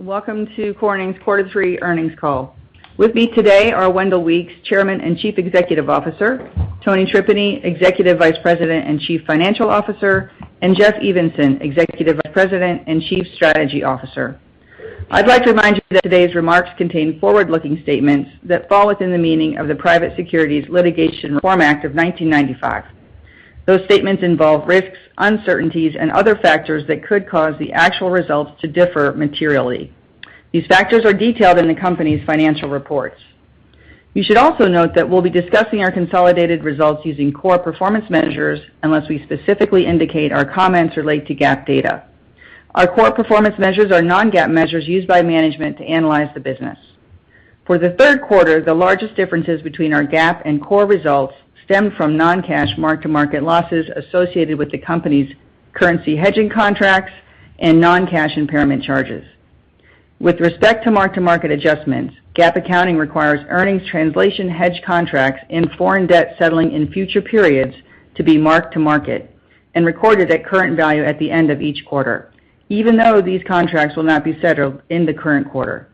Welcome to Corning's Quarter Three Earnings Call. With me today are Wendell Weeks, Chairman and Chief Executive Officer, Tony Tripeny, Executive Vice President and Chief Financial Officer, and Jeff Evenson, Executive Vice President and Chief Strategy Officer. I'd like to remind you that today's remarks contain forward-looking statements that fall within the meaning of the Private Securities Litigation Reform Act of 1995. Those statements involve risks, uncertainties, and other factors that could cause the actual results to differ materially. These factors are detailed in the company's financial reports. You should also note that we'll be discussing our consolidated results using core performance measures unless we specifically indicate our comments relate to GAAP data. Our core performance measures are non-GAAP measures used by management to analyze the business. For the third quarter, the largest differences between our GAAP and core results stemmed from non-cash mark-to-market losses associated with the company's currency hedging contracts and non-cash impairment charges. With respect to mark-to-market adjustments, GAAP accounting requires earnings translation hedge contracts and foreign debt settling in future periods to be marked to market and recorded at current value at the end of each quarter, even though these contracts will not be settled in the current quarter.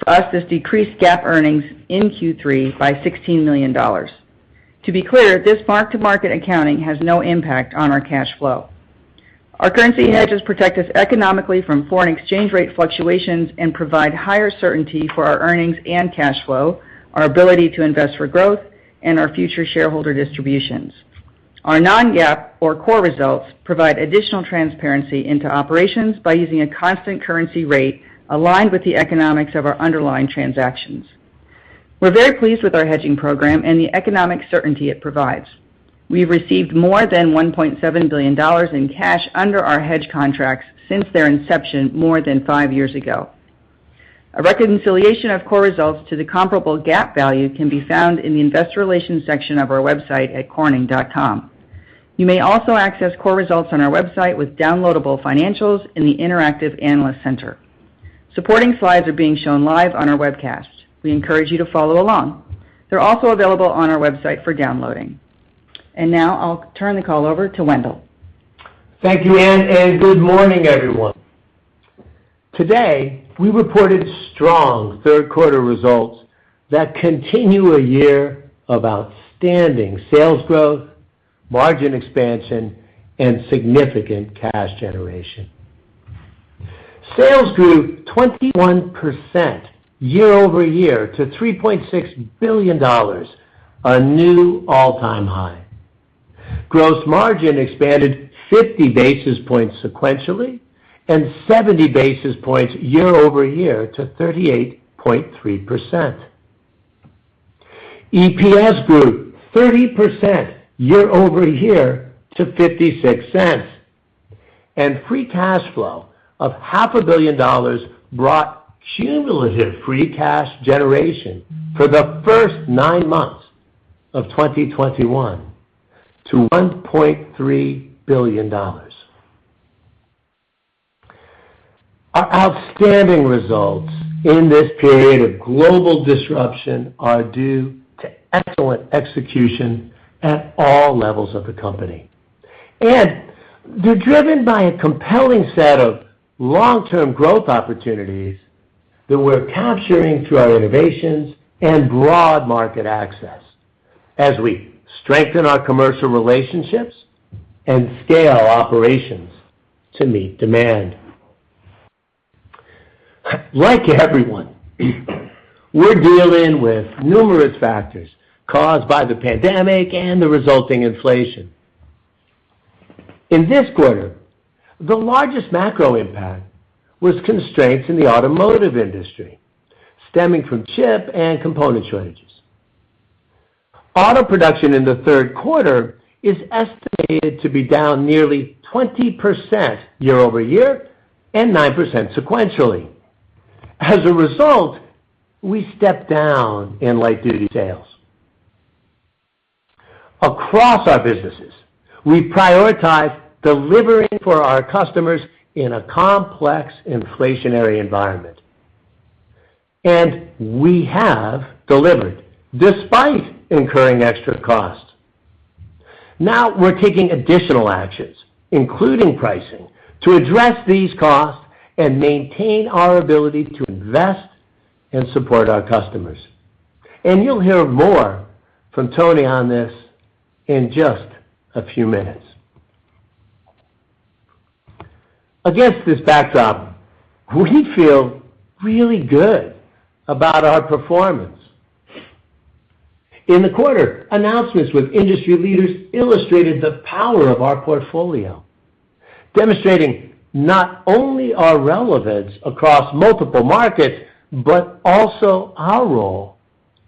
For us, this decreased GAAP earnings in Q3 by $16 million. To be clear, this mark-to-market accounting has no impact on our cash flow. Our currency hedges protect us economically from foreign exchange rate fluctuations and provide higher certainty for our earnings and cash flow, our ability to invest for growth, and our future shareholder distributions. Our non-GAAP or core results provide additional transparency into operations by using a constant currency rate, aligned with the economics of our underlying transactions. We're very pleased with our hedging program and the economic certainty it provides. We received more than $1.7 billion in cash under our hedge contracts since their inception more than five years ago. A reconciliation of core results to the comparable GAAP value can be found in the investor relations section of our website at corning.com. You may also access core results on our website with downloadable financials in the Interactive Analyst Center. Supporting slides are being shown live on our webcast. We encourage you to follow along. They're also available on our website for downloading. Now I'll turn the call over to Wendell. Thank you, Ann, and good morning, everyone. Today, we reported strong third quarter results that continue a year of outstanding sales growth, margin expansion, and significant cash generation. Sales grew 21% year-over-year to $3.6 billion, a new all-time high. Gross margin expanded 50 basis points sequentially, and 70 basis points year-over-year to 38.3%. EPS grew 30% year-over-year to $0.56, and free cash flow of half a billion dollars brought cumulative free cash generation for the first nine months of 2021 to $1.3 billion. Our outstanding results in this period of global disruption are due to excellent execution at all levels of the company, and they're driven by a compelling set of long-term growth opportunities that we're capturing through our innovations and broad market access as we strengthen our commercial relationships and scale operations to meet demand. Like everyone, we're dealing with numerous factors caused by the pandemic and the resulting inflation. In this quarter, the largest macro impact was constraints in the automotive industry, stemming from chip and component shortages. Auto production in the third quarter is estimated to be down nearly 20% year-over-year and 9% sequentially. As a result, we stepped down in light-duty sales. Across our businesses, we prioritize delivering for our customers in a complex inflationary environment, and we have delivered despite incurring extra costs. Now we're taking additional actions, including pricing, to address these costs and maintain our ability to invest and support our customers. You'll hear more from Tony on this in just a few minutes. Against this backdrop, we feel really good about our performance. In the quarter, announcements with industry leaders illustrated the power of our portfolio, demonstrating not only our relevance across multiple markets, but also our role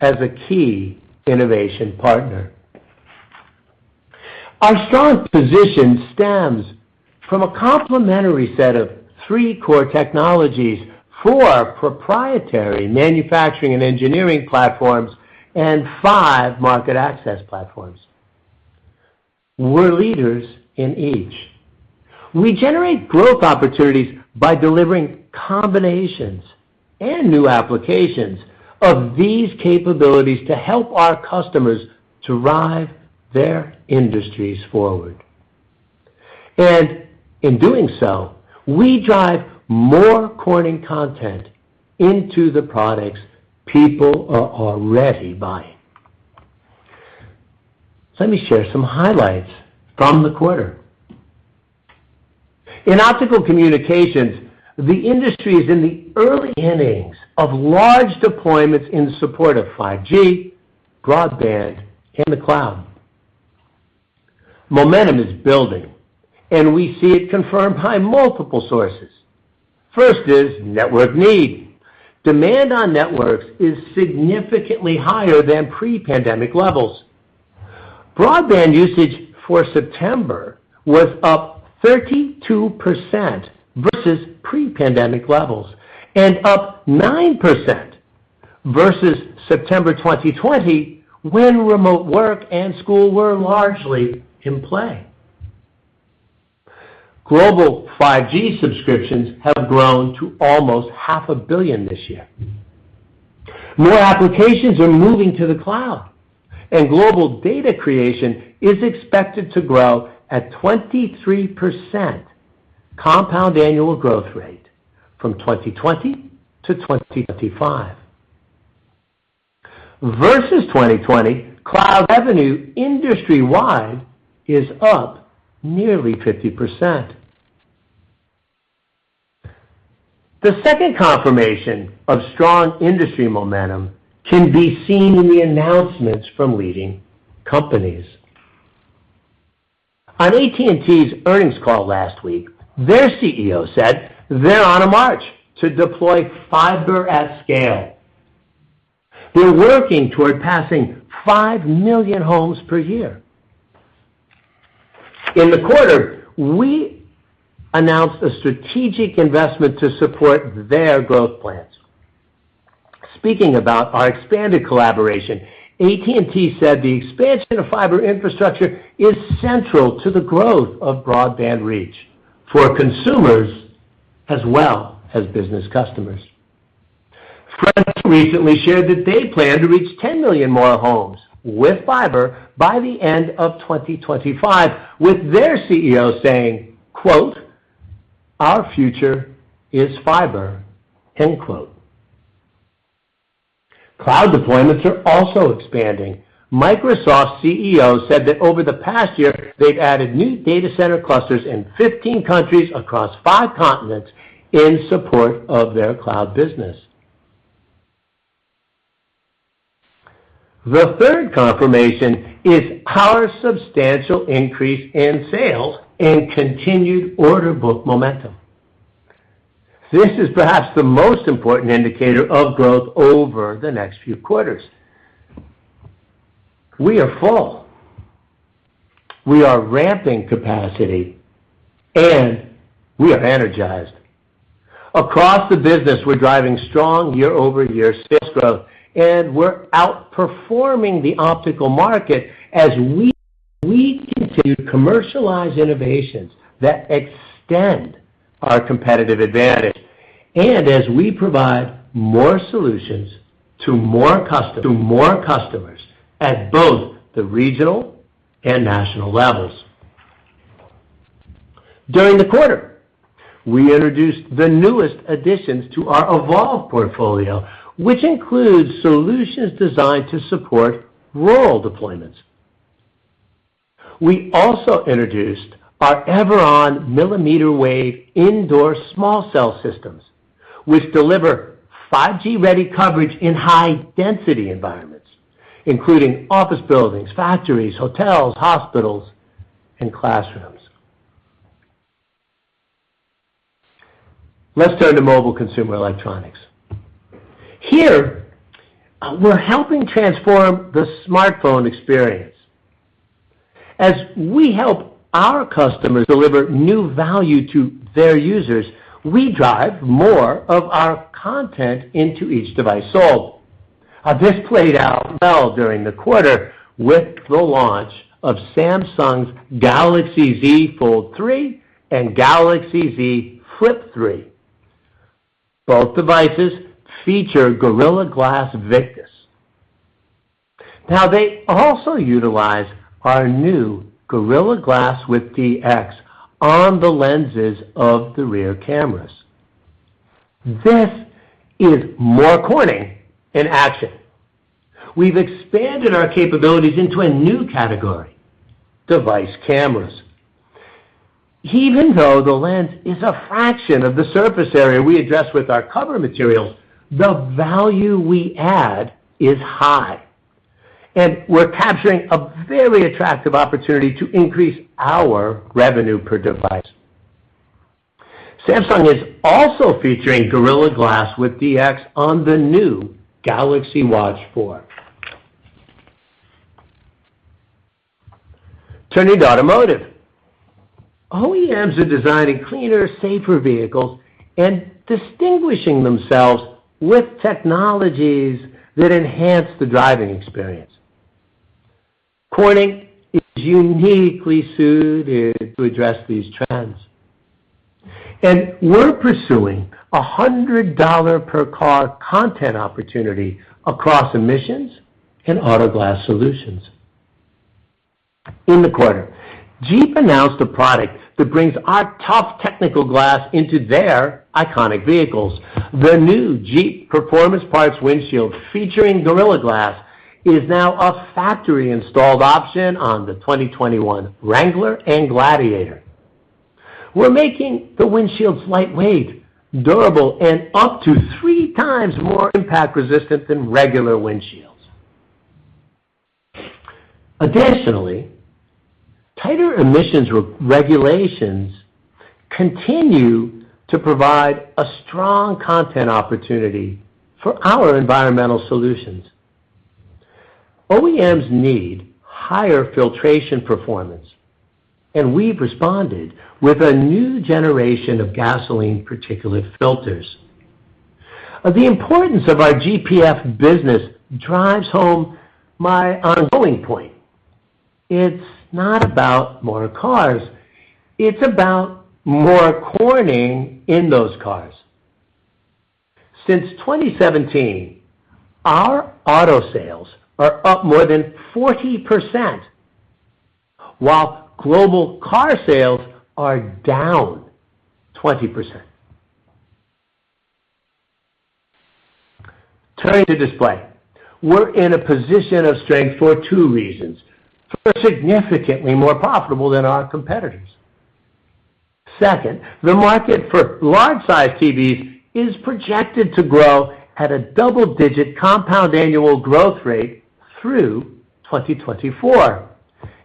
as a key innovation partner. Our strong position stems from a complementary set of three core technologies, four proprietary manufacturing and engineering platforms, and five market access platforms. We're leaders in each. We generate growth opportunities by delivering combinations, and new applications of these capabilities to help our customers to drive their industries forward. In doing so, we drive more Corning content into the products people are already buying. Let me share some highlights from the quarter. In Optical Communications, the industry is in the early innings of large deployments in support of 5G, broadband, and the cloud. Momentum is building, and we see it confirmed by multiple sources. First is network need. Demand on networks is significantly higher than pre-pandemic levels. Broadband usage for September was up 32% versus pre-pandemic levels and up 9% versus September 2020, when remote work and school were largely in play. Global 5G subscriptions have grown to almost 500 million this year. More applications are moving to the cloud, and global data creation is expected to grow at 23% compound annual growth rate from 2020 to 2025. Versus 2020, cloud revenue industry-wide is up nearly 50%. The second confirmation of strong industry momentum can be seen in the announcements from leading companies. On AT&T's earnings call last week, their CEO said they're on a march to deploy fiber at scale. They're working toward passing 5 million homes per year. In the quarter, we announced a strategic investment to support their growth plans. Speaking about our expanded collaboration, AT&T said the expansion of fiber infrastructure is central to the growth of broadband reach for consumers, as well as business customers. Frontier recently shared that they plan to reach 10 million more homes with fiber by the end of 2025, with their CEO saying, quote, "Our future is fiber." End quote. Cloud deployments are also expanding. Microsoft's CEO said that over the past year, they've added new data center clusters in 15 countries across five continents in support of their cloud business. The third confirmation is our substantial increase in sales and continued order book momentum. This is perhaps the most important indicator of growth over the next few quarters. We are full, we are ramping capacity, and we are energized. Across the business, we're driving strong year-over-year sales growth, and we're outperforming the optical market as we continue to commercialize innovations that extend our competitive advantage, and as we provide more solutions to more customers at both the regional and national levels. During the quarter, we introduced the newest additions to our Evolv portfolio, which includes solutions designed to support rural deployments. We also introduced our Everon millimeter wave indoor small cell systems, which deliver 5G-ready coverage in high-density environments, including office buildings, factories, hotels, hospitals, and classrooms. Let's turn to mobile consumer electronics. Here, we're helping transform the smartphone experience. As we help our customers deliver new value to their users, we drive more of our content into each device sold. This played out well during the quarter with the launch of Samsung's Galaxy Z Fold3 and Galaxy Z Flip3. Both devices feature Gorilla Glass Victus. Now, they also utilize our new Gorilla Glass with DX on the lenses of the rear cameras. This is more Corning in action. We've expanded our capabilities into a new category, device cameras. Even though the lens is a fraction of the surface area we address with our cover materials, the value we add is high, and we're capturing a very attractive opportunity to increase our revenue per device. Samsung is also featuring Gorilla Glass with DX on the new Galaxy Watch4. Turning to automotive. OEMs are designing cleaner, safer vehicles and distinguishing themselves with technologies that enhance the driving experience. Corning is uniquely suited to address these trends. We're pursuing a $100 per car content opportunity across emissions and auto glass solutions. In the quarter, Jeep announced a product that brings our tough technical glass into their iconic vehicles. The new Jeep Performance Parts windshield, featuring Gorilla Glass, is now a factory-installed option on the 2021 Wrangler and Gladiator. We're making the windshields lightweight, durable, and up to three times more impact-resistant than regular windshields. Additionally, tighter emissions regulations continue to provide a strong content opportunity for our environmental solutions. OEMs need higher filtration performance, and we've responded with a new generation of gasoline particulate filters. The importance of our GPF business drives home my ongoing point. It's not about more cars. It's about more Corning in those cars. Since 2017, our auto sales are up more than 40%, while global car sales are down 20%. Turning to display, we're in a position of strength for two reasons. We're significantly more profitable than our competitors. Second, the market for large-sized TVs is projected to grow at a double-digit compound annual growth rate through 2024,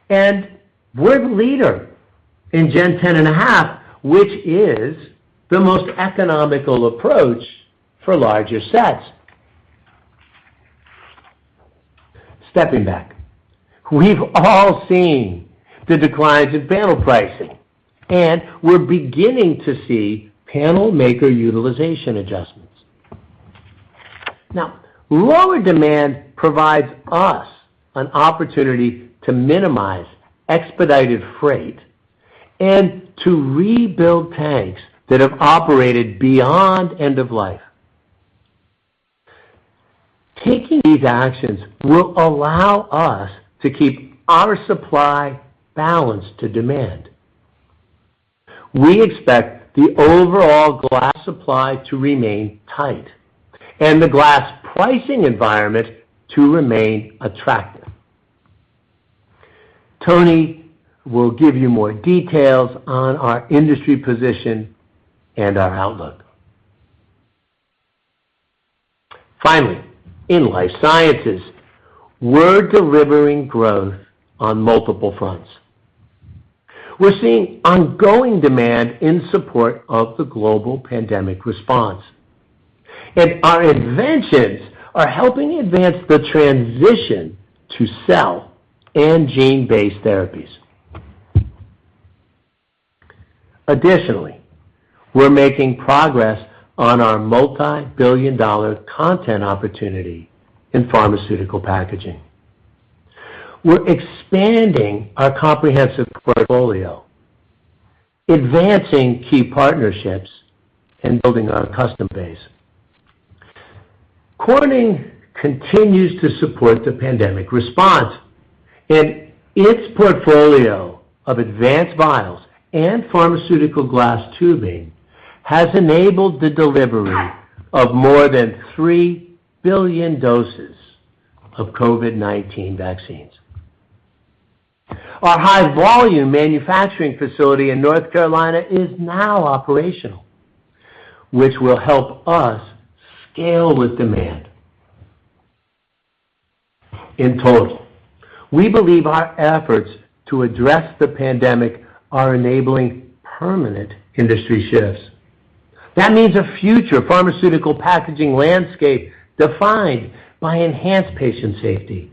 and we're the leader in Gen 10.5, which is the most economical approach for larger sets. Stepping back, we've all seen the declines in panel pricing, and we're beginning to see panel maker utilization adjustments. Now, lower demand provides us an opportunity to minimize expedited freight and to rebuild tanks that have operated beyond end of life. Taking these actions will allow us to keep our supply balanced to demand. We expect the overall glass supply to remain tight and the glass pricing environment to remain attractive. Tony, will give you more details on our industry position and our outlook. Finally, in Life Sciences, we're delivering growth on multiple fronts. We're seeing ongoing demand in support of the global pandemic response, and our inventions are helping advance the transition to cell and gene-based therapies. Additionally, we're making progress on our multi-billion-dollar opportunity in pharmaceutical packaging. We're expanding our comprehensive portfolio, advancing key partnerships, and building our customer base. Corning continues to support the pandemic response, and its portfolio of advanced vials and pharmaceutical glass tubing has enabled the delivery of more than three billion doses of COVID-19 vaccines. Our high-volume manufacturing facility in North Carolina is now operational, which will help us scale with demand. In total, we believe our efforts to address the pandemic are enabling permanent industry shifts. That means a future pharmaceutical packaging landscape defined by enhanced patient safety,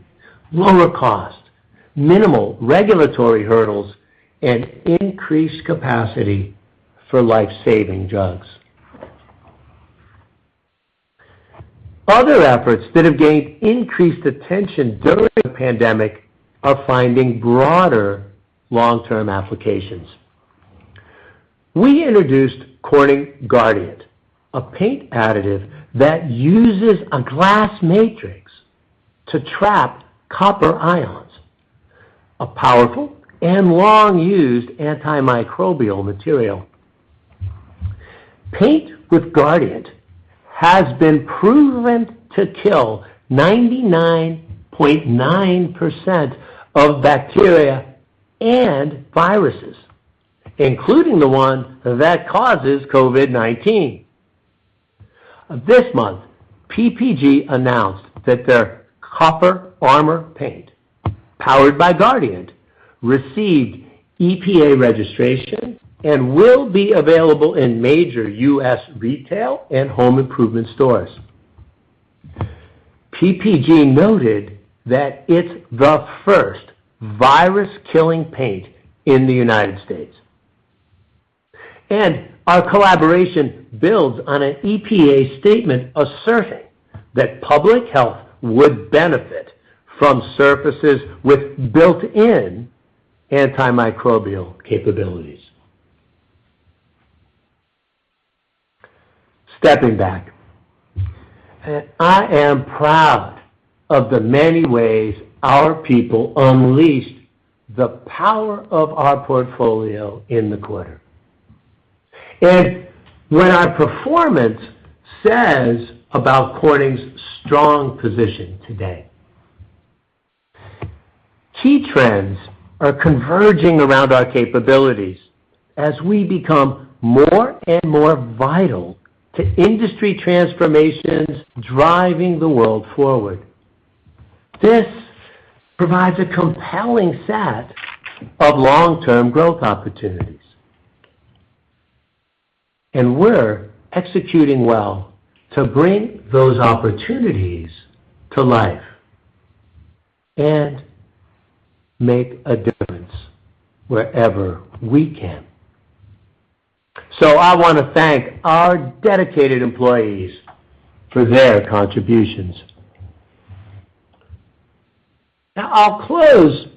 lower cost, minimal regulatory hurdles, and increased capacity for life-saving drugs. Other efforts, that have gained increased attention during the pandemic are finding broader long-term applications. We introduced Corning Guardiant, a paint additive that uses a glass matrix to trap copper ions, a powerful and long-used antimicrobial material. Paint with Guardiant has been proven to kill 99.9% of bacteria and viruses, including the one that causes COVID-19. This month, PPG announced that their Copper Armor paint, powered by Guardiant, received EPA registration and will be available in major U.S. retail and home improvement stores. PPG noted that it's the first virus-killing paint in the United States. Our collaboration builds on an EPA statement asserting that public health would benefit from surfaces with built-in, antimicrobial capabilities. Stepping back, I am proud of the many ways our people unleashed the power of our portfolio in the quarter, and what our performance says about Corning's strong position today. Key trends, are converging around our capabilities as we become more and more vital to industry transformations driving the world forward. This provides a compelling set, of long-term growth opportunities, and we're executing well to bring those opportunities to life and make a difference wherever we can. I wanna thank our dedicated employees for their contributions. Now, I'll close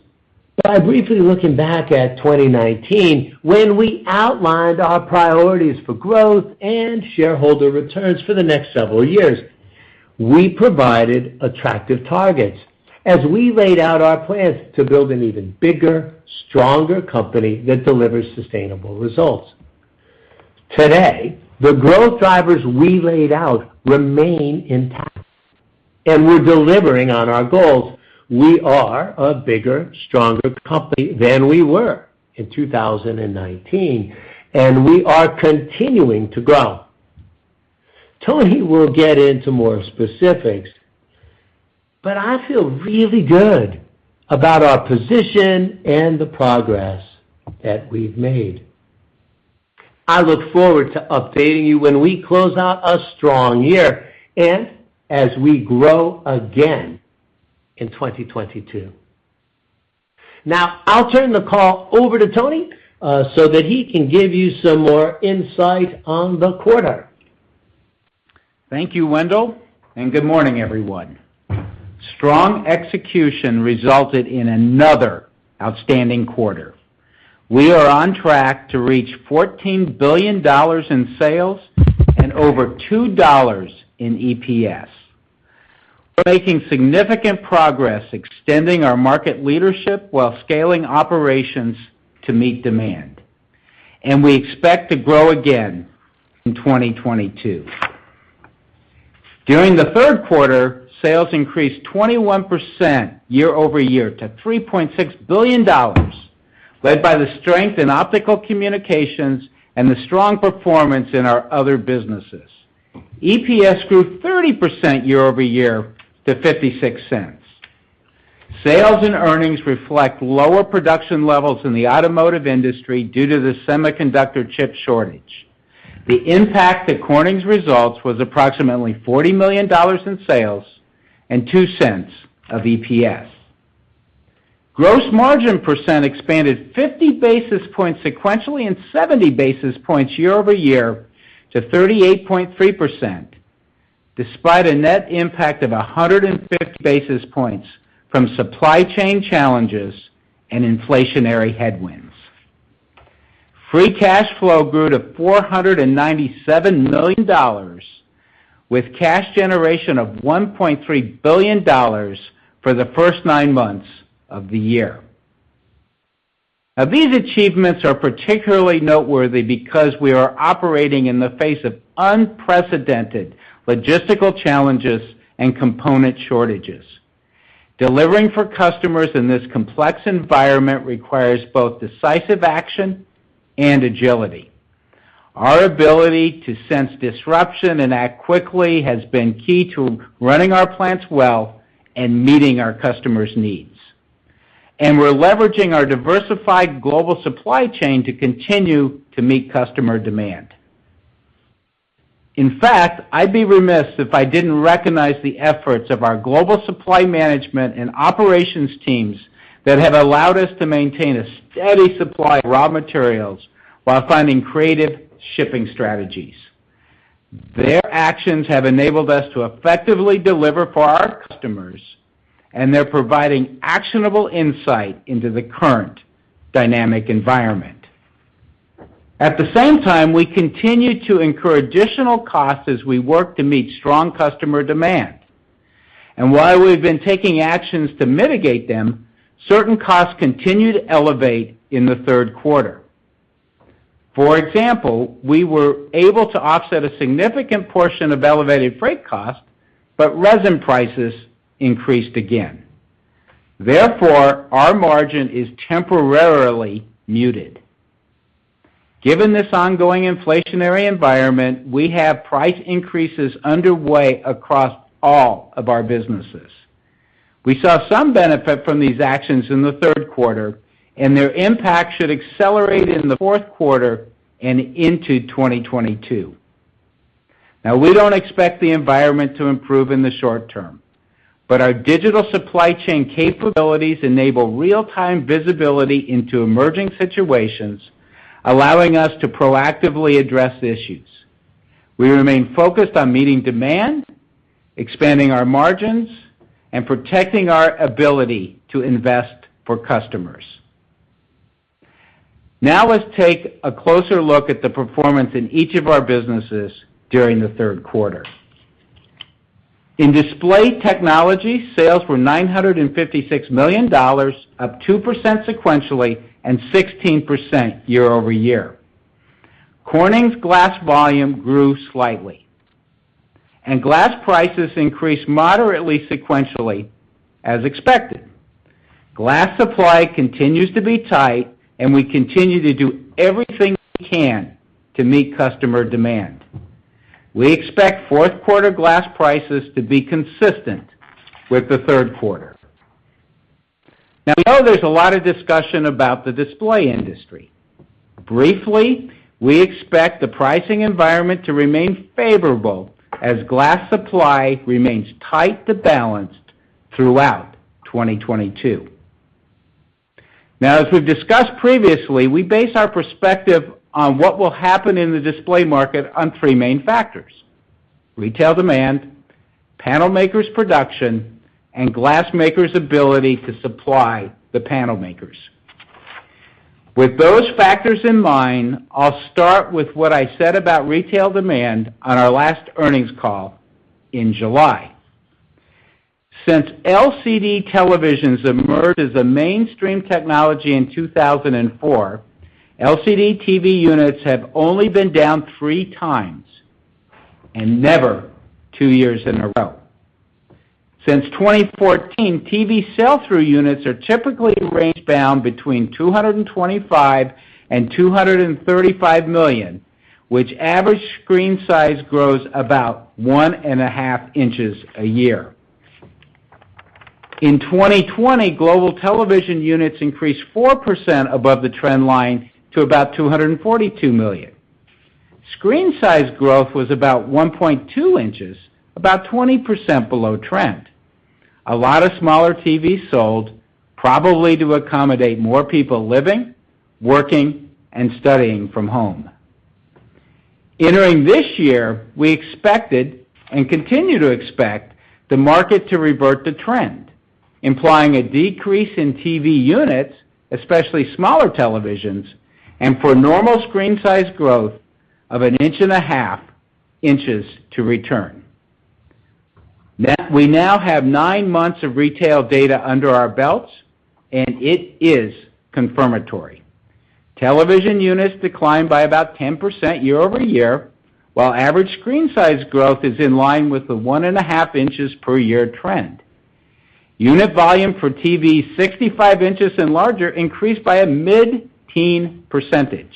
by briefly looking back at 2019, when we outlined our priorities for growth and shareholder returns for the next several years. We provided attractive targets as we laid out our plans to build an even bigger, stronger company that delivers sustainable results. Today, the growth drivers we laid out remain intact, and we're delivering on our goals. We are a bigger, stronger company than we were in 2019, and we are continuing to grow. Tony will get into more specifics, but I feel really good about our position and the progress that we've made. I look forward to updating you when we close out a strong year and as we grow again in 2022. Now, I'll turn the call over to Tony so that he can give you some more insight on the quarter. Thank you, Wendell, and good morning, everyone. Strong execution resulted in another outstanding quarter. We are on track to reach $14 billion in sales, and over $2 in EPS. We're making significant progress extending our market leadership while scaling operations to meet demand, and we expect to grow again in 2022. During the third quarter, sales increased 21% year-over-year to $3.6 billion, led by the strength in Optical Communications and the strong performance in our other businesses. EPS grew 30% year-over-year to $0.56. Sales and earnings reflect lower production levels in the automotive industry due to the semiconductor chip shortage. The impact to Corning's results was approximately $40 million in sales and $0.02 of EPS. Gross margin percent expanded 50 basis points sequentially and 70 basis points year-over-year to 38.3%, despite a net impact of 150 basis points from supply chain challenges and inflationary headwinds. Free cash flow grew to $497 million, with cash generation of $1.3 billion, for the first nine months of the year. Now, these achievements are particularly noteworthy because we are operating in the face of unprecedented, logistical challenges and component shortages. Delivering for customers in this complex environment requires both decisive action and agility. Our ability to sense disruption and act quickly has been key to running our plants well and meeting our customers' needs. We're leveraging our diversified global supply chain to continue to meet customer demand. In fact, I'd be remiss if I didn't recognize the efforts of our global supply management and operations teams, that have allowed us to maintain a steady supply of raw materials while finding creative shipping strategies. Their actions have enabled us to effectively deliver for our customers, and they're providing actionable insight into the current dynamic environment. At the same time, we continue to incur additional costs as we work to meet strong customer demand. While we've been taking actions to mitigate them, certain costs continued to elevate in the third quarter. For example, we were able to offset a significant portion of elevated freight costs, but resin prices increased again. Therefore, our margin is temporarily muted. Given this ongoing inflationary environment, we have price increases underway across all of our businesses. We saw some benefit from these actions in the third quarter, and their impact should accelerate in the fourth quarter and into 2022. Now, we don't expect the environment to improve in the short term, but our digital supply chain capabilities enable real-time visibility into emerging situations, allowing us to proactively address issues. We remain focused on meeting demand, expanding our margins, and protecting our ability to invest for customers. Now let's take a closer look at the performance in each of our businesses during the third quarter. In Display Technologies, sales were $956 million, up 2% sequentially and 16% year-over-year. Corning's glass volume grew slightly, and glass prices increased moderately sequentially as expected. Glass supply continues to be tight, and we continue to do everything we can to meet customer demand. We expect fourth quarter glass prices to be consistent, with the third quarter. Now we know there's a lot of discussion about the display industry. Briefly, we expect the pricing environment to remain favorable, as glass supply remains tight to balanced throughout 2022. Now as we've discussed previously, we base our perspective on what will happen in the display market on three main factors, retail demand, panel makers' production, and glass makers' ability to supply the panel makers. With those factors in mind, I'll start with what I said about retail demand on our last earnings call in July. Since LCD televisions emerged as a mainstream technology in 2004, LCD TV units have only been down three times and never two years in a row. Since 2014, TV sell-through units are typically range bound between 225-235 million, which average screen size grows about 1.5 inches a year. In 2020, global television units increased 4% above the trend line to about 242 million. Screen size growth was about 1.2 inches, about 20% below trend. A lot of smaller TVs sold, probably to accommodate more people living, working, and studying from home. Entering this year, we expected and continue to expect the market to revert to trend, implying a decrease in TV units, especially smaller televisions, and for normal screen size growth of 1.5 inches to return. We now have nine months of retail data under our belts, and it is confirmatory. Television units declined by about 10% year-over-year, while average screen size growth is in line with the 1.5 inches per year trend. Unit volume for TVs 65 inches and larger increased by a mid-teens %,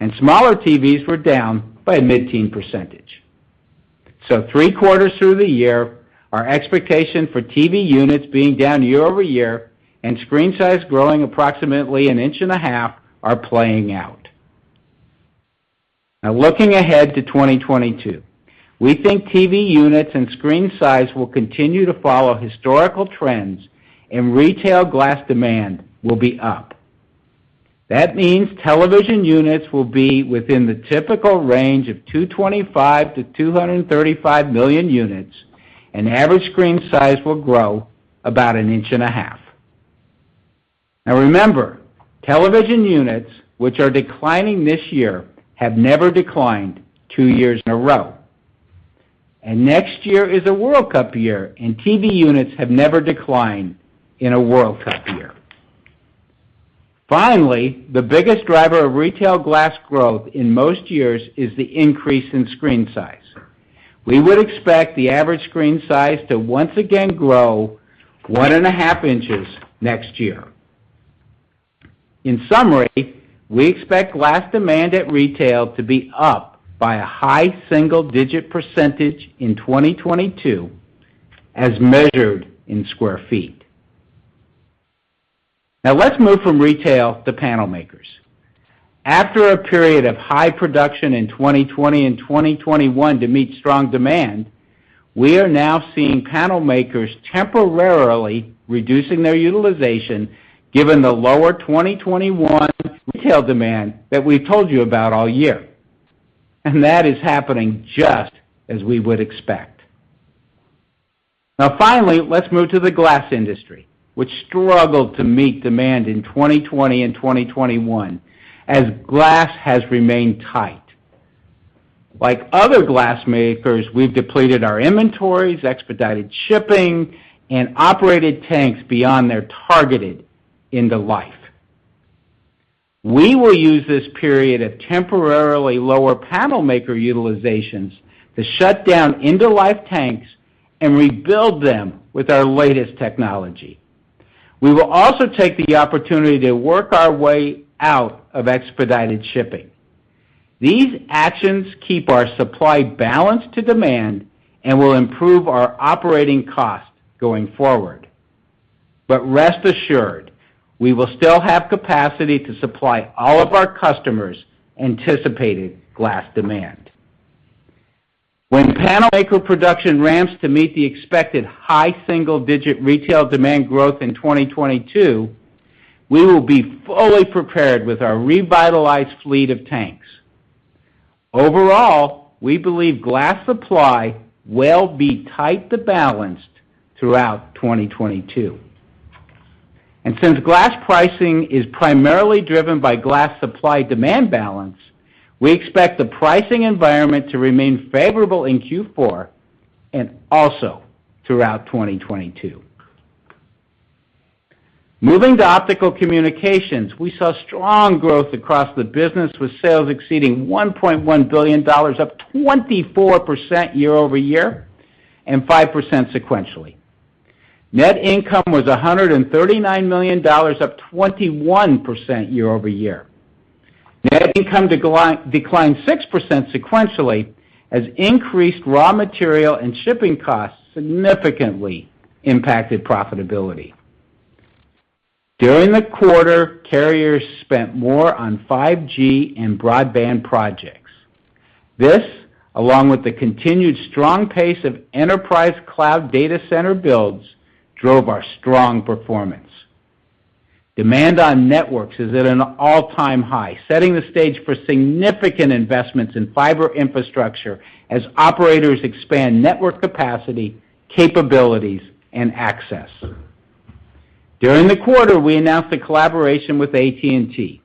and smaller TVs were down by a mid-teens %. Three quarters through the year, our expectation for TV units being down year-over-year, and screen size growing approximately 1.5 inches are playing out. Now looking ahead to 2022, we think TV units and screen size will continue to follow historical trends and retail glass demand will be up. That means television units will be within the typical range of 225-235 million units, and average screen size will grow about 1.5 inches. Now remember, television units, which are declining this year, have never declined two years in a row. Next year is a World Cup year, and TV units have never declined in a World Cup year. Finally, the biggest driver of retail glass growth in most years is the increase in screen size. We would expect the average screen size to once again grow, one and a half inches next year. In summary, we expect glass demand at retail to be up by a high single-digit % in 2022 as measured in sq ft. Now let's move from retail to panel makers. After a period of high production in 2020 and 2021 to meet strong demand, we are now seeing panel makers temporarily reducing their utilization given the lower 2021 retail demand that we've told you about all year. That is happening just as we would expect. Now finally, let's move to the glass industry, which struggled to meet demand in 2020 and 2021, as glass has remained tight. Like other glass makers, we've depleted our inventories, expedited shipping, and operated tanks beyond their targeted end of life. We will use this period of temporarily lower panel maker utilizations, to shut down end of life tanks and rebuild them with our latest technology. We will also take the opportunity to work our way out of expedited shipping. These actions keep our supply balanced to demand and will improve our operating cost going forward. Rest assured, we will still have capacity to supply all of our customers' anticipated glass demand. When panel maker production ramps to meet the expected high single-digit retail demand growth in 2022. We will be fully prepared with our revitalized fleet of tanks. Overall, we believe glass supply will be tight to balanced throughout 2022. Since glass pricing is primarily driven by glass supply-demand balance, we expect the pricing environment to remain favorable in Q4, and also throughout 2022. Moving to Optical Communications, we saw strong growth across the business, with sales exceeding $1.1 billion, up 24% year-over-year and 5% sequentially. Net income was $139 million, up 21% year-over-year. Net income declined 6% sequentially as increased raw material and shipping costs significantly impacted profitability. During the quarter, carriers spent more on 5G and broadband projects. This, along with the continued strong pace of enterprise cloud data center builds, drove our strong performance. Demand on networks is at an all-time high, setting the stage for significant investments in fiber infrastructure as operators expand network capacity, capabilities, and access. During the quarter, we announced a collaboration with AT&T.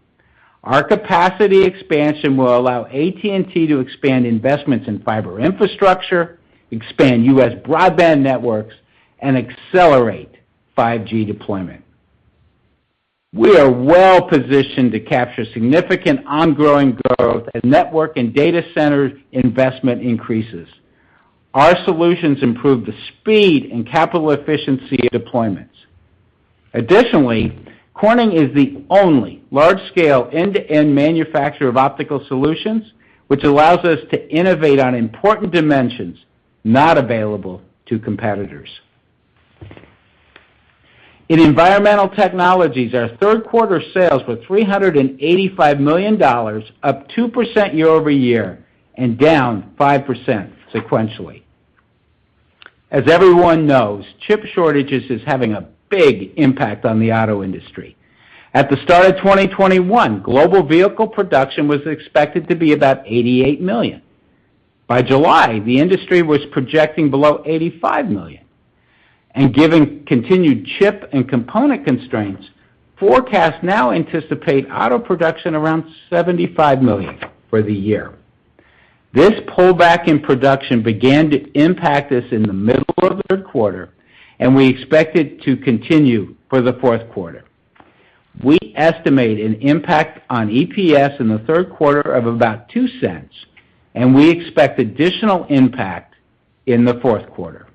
Our capacity expansion will allow AT&T to expand investments in fiber infrastructure, expand U.S. broadband networks, and accelerate 5G deployment. We are well-positioned to capture significant ongoing growth as network and data center investment increases. Our solutions improve the speed and capital efficiency of deployments. Additionally, Corning is the only large-scale end-to-end manufacturer of optical solutions, which allows us to innovate on important dimensions not available to competitors. In Environmental Technologies, our third quarter sales were $385 million, up 2% year-over-year and down 5% sequentially. As everyone knows, chip shortages is having a big impact on the auto industry. At the start of 2021, global vehicle production was expected to be about 88 million. By July, the industry was projecting below 85 million, and given continued chip and component constraints, forecasts now anticipate auto production around 75 million for the year. This pullback in production began to impact us in the middle of the third quarter, and we expect it to continue for the fourth quarter. We estimate an impact on EPS in the third quarter of about $0.02, and we expect additional impact in the fourth quarter.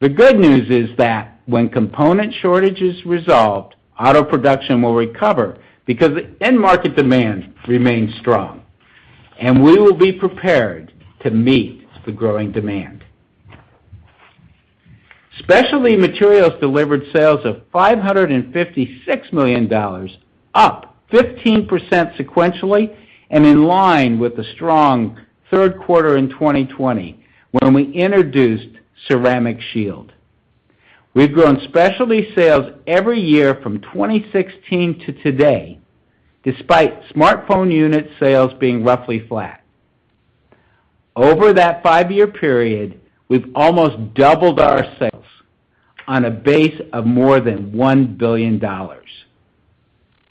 The good news is that when component shortage is resolved, auto production will recover because end market demand remains strong, and we will be prepared to meet the growing demand. Specially Materials delivered sales of $556 million, up 15% sequentially and in line with the strong third quarter in 2020, when we introduced Ceramic Shield. We've grown specialty sales every year from 2016 to today, despite smartphone unit sales being roughly flat. Over that five-year period, we've almost doubled our sales on a base of more than $1 billion.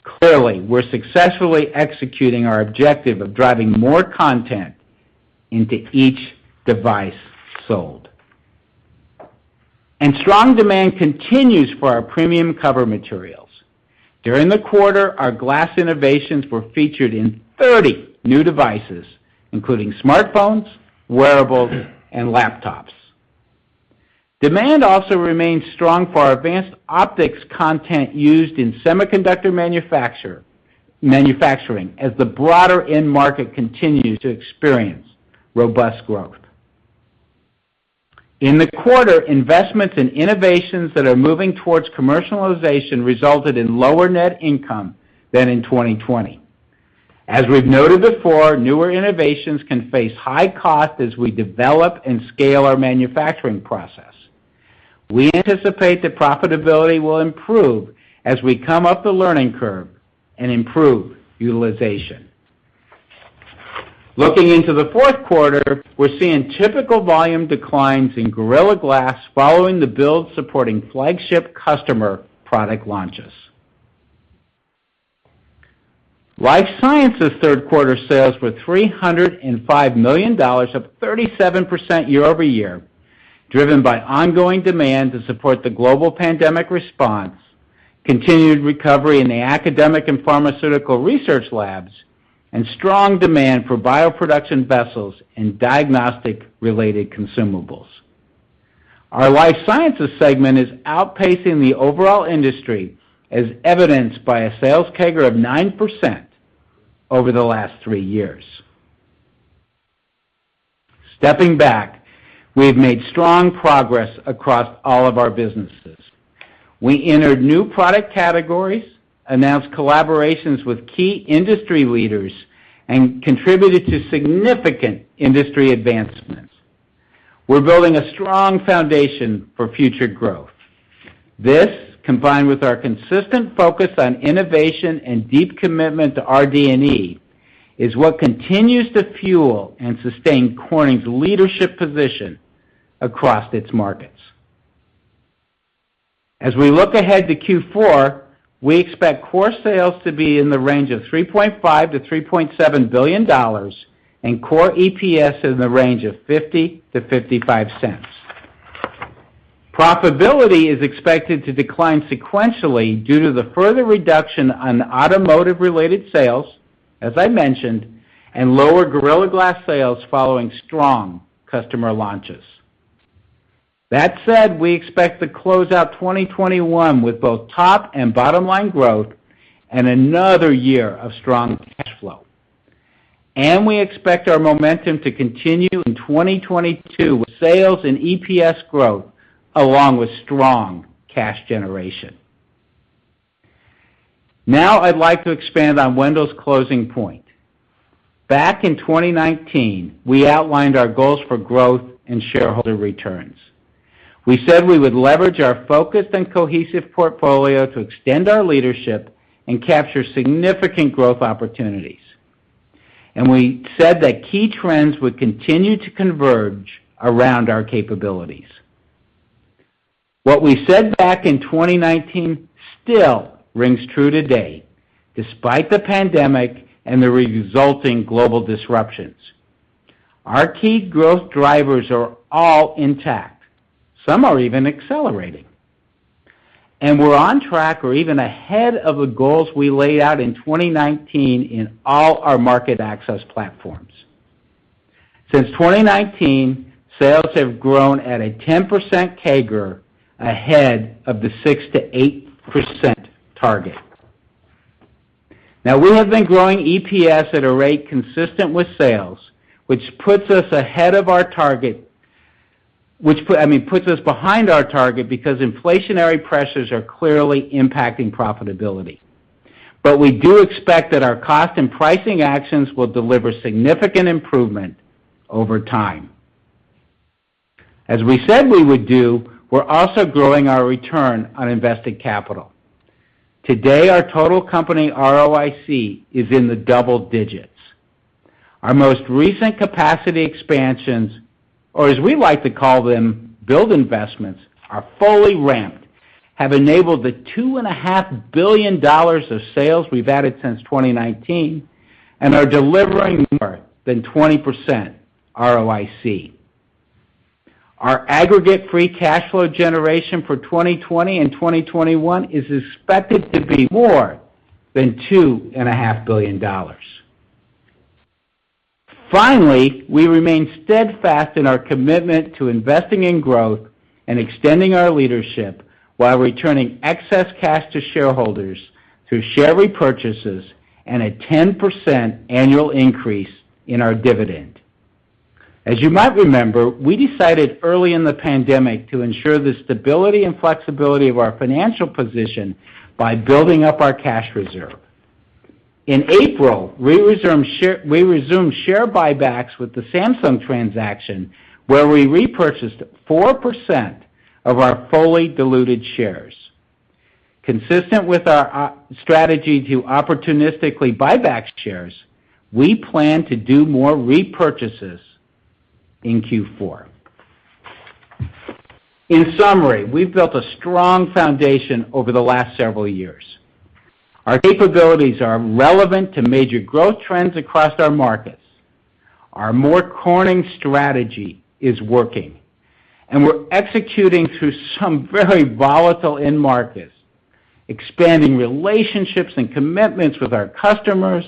Clearly, we're successfully executing our objective of driving more content into each device sold. Strong demand continues for our premium cover materials. During the quarter, our glass innovations were featured in 30 new devices, including smartphones, wearables, and laptops. Demand also remains strong for our advanced optics content used in semiconductor manufacturing as the broader end market continues to experience robust growth. In the quarter, investments in innovations that are moving towards commercialization resulted in lower net income than in 2020. As we've noted before, newer innovations can face high costs as we develop and scale our manufacturing process. We anticipate that profitability will improve as we come up the learning curve and improve utilization. Looking into the fourth quarter, we're seeing typical volume declines in Gorilla Glass following the build supporting flagship customer product launches. Life Sciences third quarter sales were $305 million, up 37% year-over-year, driven by ongoing demand to support the global pandemic response, continued recovery in the academic and pharmaceutical research labs, and strong demand for bioproduction vessels and diagnostic-related consumables. Our Life Sciences segment is outpacing the overall industry, as evidenced by a sales CAGR of 9% over the last three years. Stepping back, we have made strong progress across all of our businesses. We entered new product categories, announced collaborations with key industry leaders, and contributed to significant industry advancements. We're building a strong foundation for future growth. This, combined with our consistent focus on innovation and deep commitment to our RD&E, is what continues to fuel and sustain Corning's leadership position across its markets. As we look ahead to Q4, we expect core sales to be in the range of $3.5 billion-$3.7 billion, and core EPS in the range of $0.50-$0.55. Profitability is expected to decline sequentially due to the further reduction on automotive-related sales, as I mentioned, and lower Gorilla Glass sales following strong customer launches. That said, we expect to close out 2021, with both top and bottom line growth and another year of strong cash flow. We expect our momentum to continue in 2022, with sales and EPS growth along with strong cash generation. Now, I'd like to expand on Wendell's closing point. Back in 2019, we outlined our goals for growth and shareholder returns. We said we would leverage our focused and cohesive portfolio to extend our leadership, and capture significant growth opportunities. We said that key trends would continue to converge around our capabilities. What we said back in 2019, still rings true today, despite the pandemic and the resulting global disruptions. Our key growth drivers are all intact. Some are even accelerating. We're on track or even ahead of the goals we laid out in 2019, in all our market access platforms. Since 2019, sales have grown at a 10% CAGR ahead of the 6%-8% target. Now we have been growing EPS at a rate consistent with sales, which, I mean, puts us behind our target because inflationary pressures are clearly impacting profitability. We do expect that our cost and pricing actions will deliver significant improvement over time. As we said we would do, we're also growing our return on invested capital. Today, our total company ROIC is in the double digits. Our most recent capacity expansions, or as we like to call them, build investments, are fully ramped, have enabled the $2.5 billion of sales we've added since 2019, and are delivering more than 20% ROIC. Our aggregate free cash flow generation for 2020 and 2021 is expected to be more than $2.5 billion. Finally, we remain steadfast in our commitment to investing in growth and extending our leadership while returning excess cash to shareholders through share repurchases and a 10% annual increase in our dividend. As you might remember, we decided early in the pandemic to ensure the stability and flexibility of our financial position by building up our cash reserve. In April, we resumed share buybacks with the Samsung transaction, where we repurchased 4% of our fully diluted shares. Consistent with our strategy to opportunistically buy back shares, we plan to do more repurchases in Q4. In summary, we've built a strong foundation over the last several years. Our capabilities are relevant to major growth trends across our markets. Our core Corning strategy is working, and we're executing through some very volatile end markets, expanding relationships and commitments with our customers,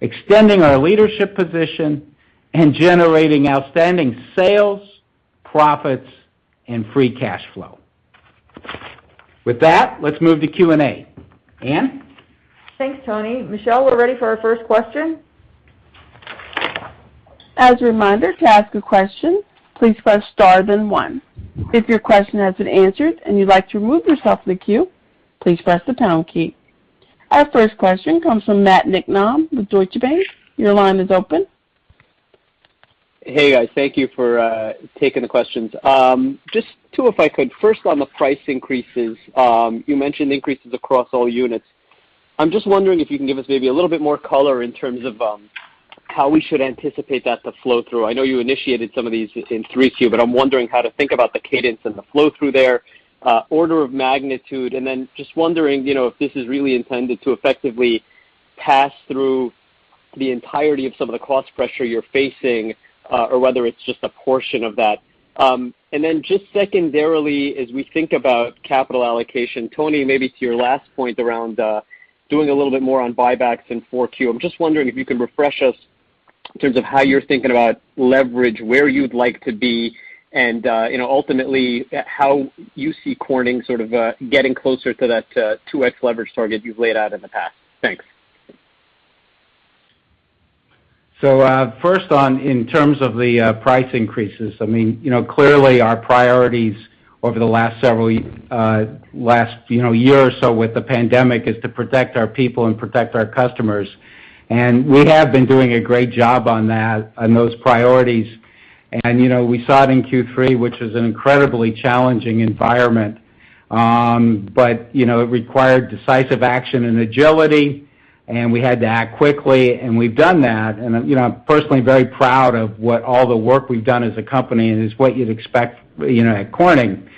extending our leadership position, and generating outstanding sales, profits, and free cash flow. With that, let's move to Q&A. Ann? Thanks, Tony. Michelle, we're ready for our first question. As a reminder, to ask a question, please press star then one. If your question has been answered and you'd like to remove yourself from the queue, please press the pound key. Our first question comes from Matt Niknam with Deutsche Bank. Your line is open. Hey, guys. Thank you for taking the questions. Just two, if I could. First, on the price increases, you mentioned increases across all units. I'm just wondering if you can give us maybe a little bit more color in terms of how we should anticipate that to flow through. I know you initiated some of these in Q3, but I'm wondering how to think about the cadence and the flow through there, order of magnitude, and then just wondering, you know, if this is really intended to effectively pass through the entirety of some of the cost pressure you're facing, or whether it's just a portion of that. Just secondarily, as we think about capital allocation, Tony, maybe to your last point around doing a little bit more on buybacks in 4Q, I'm just wondering if you could refresh us in terms of how you're thinking about leverage, where you'd like to be, and, you know, ultimately, how you see Corning sort of getting closer to that 2x leverage target you've laid out in the past. Thanks. First on in terms of the price increases, I mean, you know, clearly our priorities over the last several, you know, year or so with the pandemic is to protect our people and protect our customers. We have been doing a great job on that, on those priorities. You know, we saw it in Q3, which is an incredibly challenging environment. It required decisive action and agility, and we had to act quickly, and we've done that. You know, I'm personally very proud of what all the work we've done as a company, and it's what you'd expect, you know, at Corning.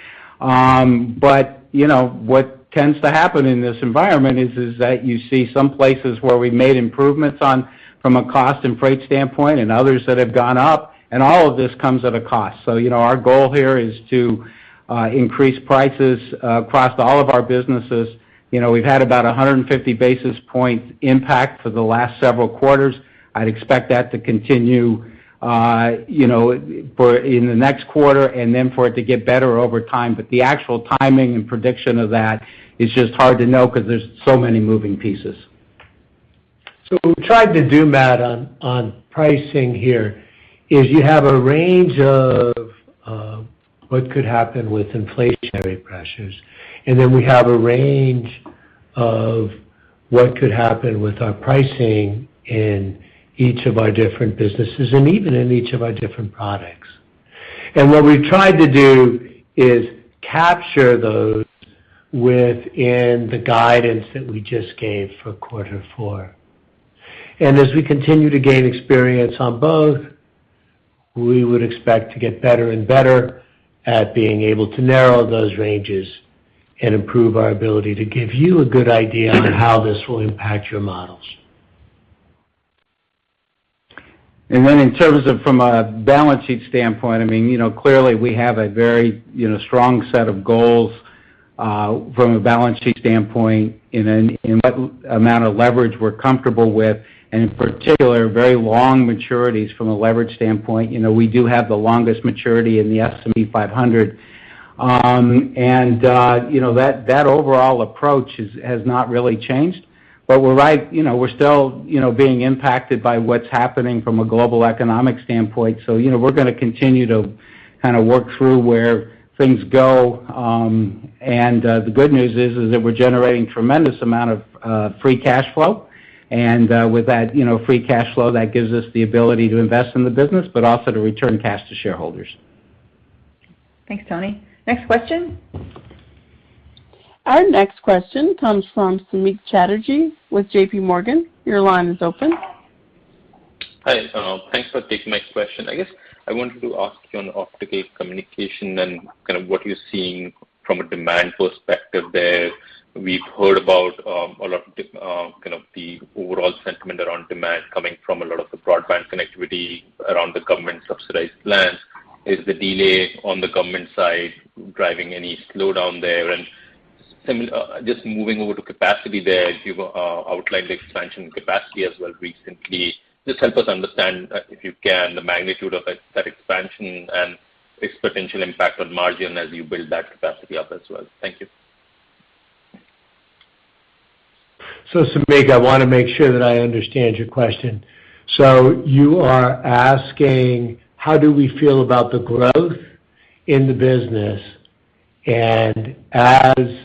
You know, what tends to happen in this environment is that you see some places where we made improvements on from a cost and freight standpoint and others that have gone up, and all of this comes at a cost. you know, our goal here is to increase prices across all of our businesses. You know, we've had about 150 basis points impact for the last several quarters. I'd expect that to continue, you know, in the next quarter and then for it to get better over time. the actual timing and prediction of that is just hard to know 'cause there's so many moving pieces. What we've tried to do, Matt, on pricing here is you have a range of what could happen with inflationary pressures, and then we have a range of what could happen with our pricing in each of our different businesses and even in each of our different products. What we've tried to do is capture those within the guidance that we just gave for quarter four. As we continue to gain experience on both, we would expect to get better and better at being able to narrow those ranges and improve our ability to give you a good idea on how this will impact your models. In terms of from a balance sheet standpoint, I mean, you know, clearly, we have a very, you know, strong set of goals from a balance sheet standpoint in what amount of leverage we're comfortable with, and in particular, very long maturities from a leverage standpoint. You know, we do have the longest maturity in the S&P 500. You know, that overall approach has not really changed. You know, we're still, you know, being impacted by what's happening from a global economic standpoint. You know, we're gonna continue to kinda work through where things go. The good news is that we're generating tremendous amount of free cash flow, and with that, you know, free cash flow, that gives us the ability to invest in the business, but also to return cash to shareholders. Thanks, Tony. Next question. Our next question comes from Samik Chatterjee with J.P. Morgan. Your line is open. Hi, thanks for taking my question. I guess I wanted to ask you on Optical Communications and kind of what you're seeing from a demand perspective there. We've heard about a lot of kind of the overall sentiment around demand coming from a lot of the broadband connectivity around the government-subsidized plans. Is the delay on the government side driving any slowdown there? Just moving over to capacity there, as you've outlined the expansion capacity as well recently, just help us understand, if you can, the magnitude of that expansion and its potential impact on margin as you build that capacity up as well. Thank you. Samik, I wanna make sure that I understand your question. You are asking how do we feel about the growth in the business, and as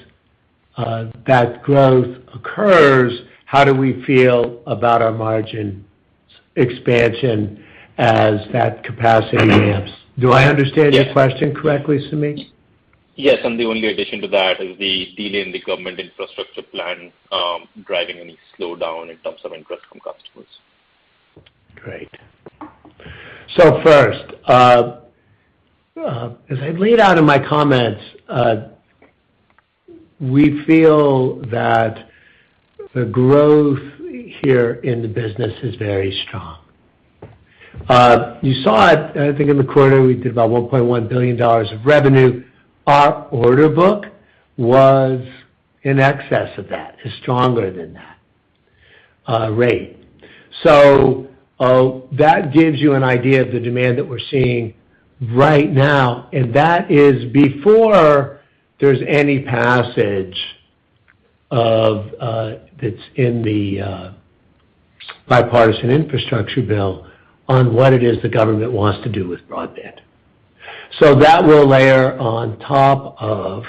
that growth occurs, how do we feel about our margins expansion as that capacity ramps. Do I understand your question correctly, Samik? Yes, the only addition to that is the delay in the government infrastructure plan driving any slowdown in terms of interest from customers. Great. First, as I laid out in my comments, we feel that the growth here in the business is very strong. You saw it, I think, in the quarter, we did about $1.1 billion of revenue. Our order book was in excess of that, is stronger than that, rate. That gives you an idea of the demand that we're seeing right now, and that is before there's any passage of, that's in the, bipartisan infrastructure bill on what it is the government wants to do with broadband. That will layer on top of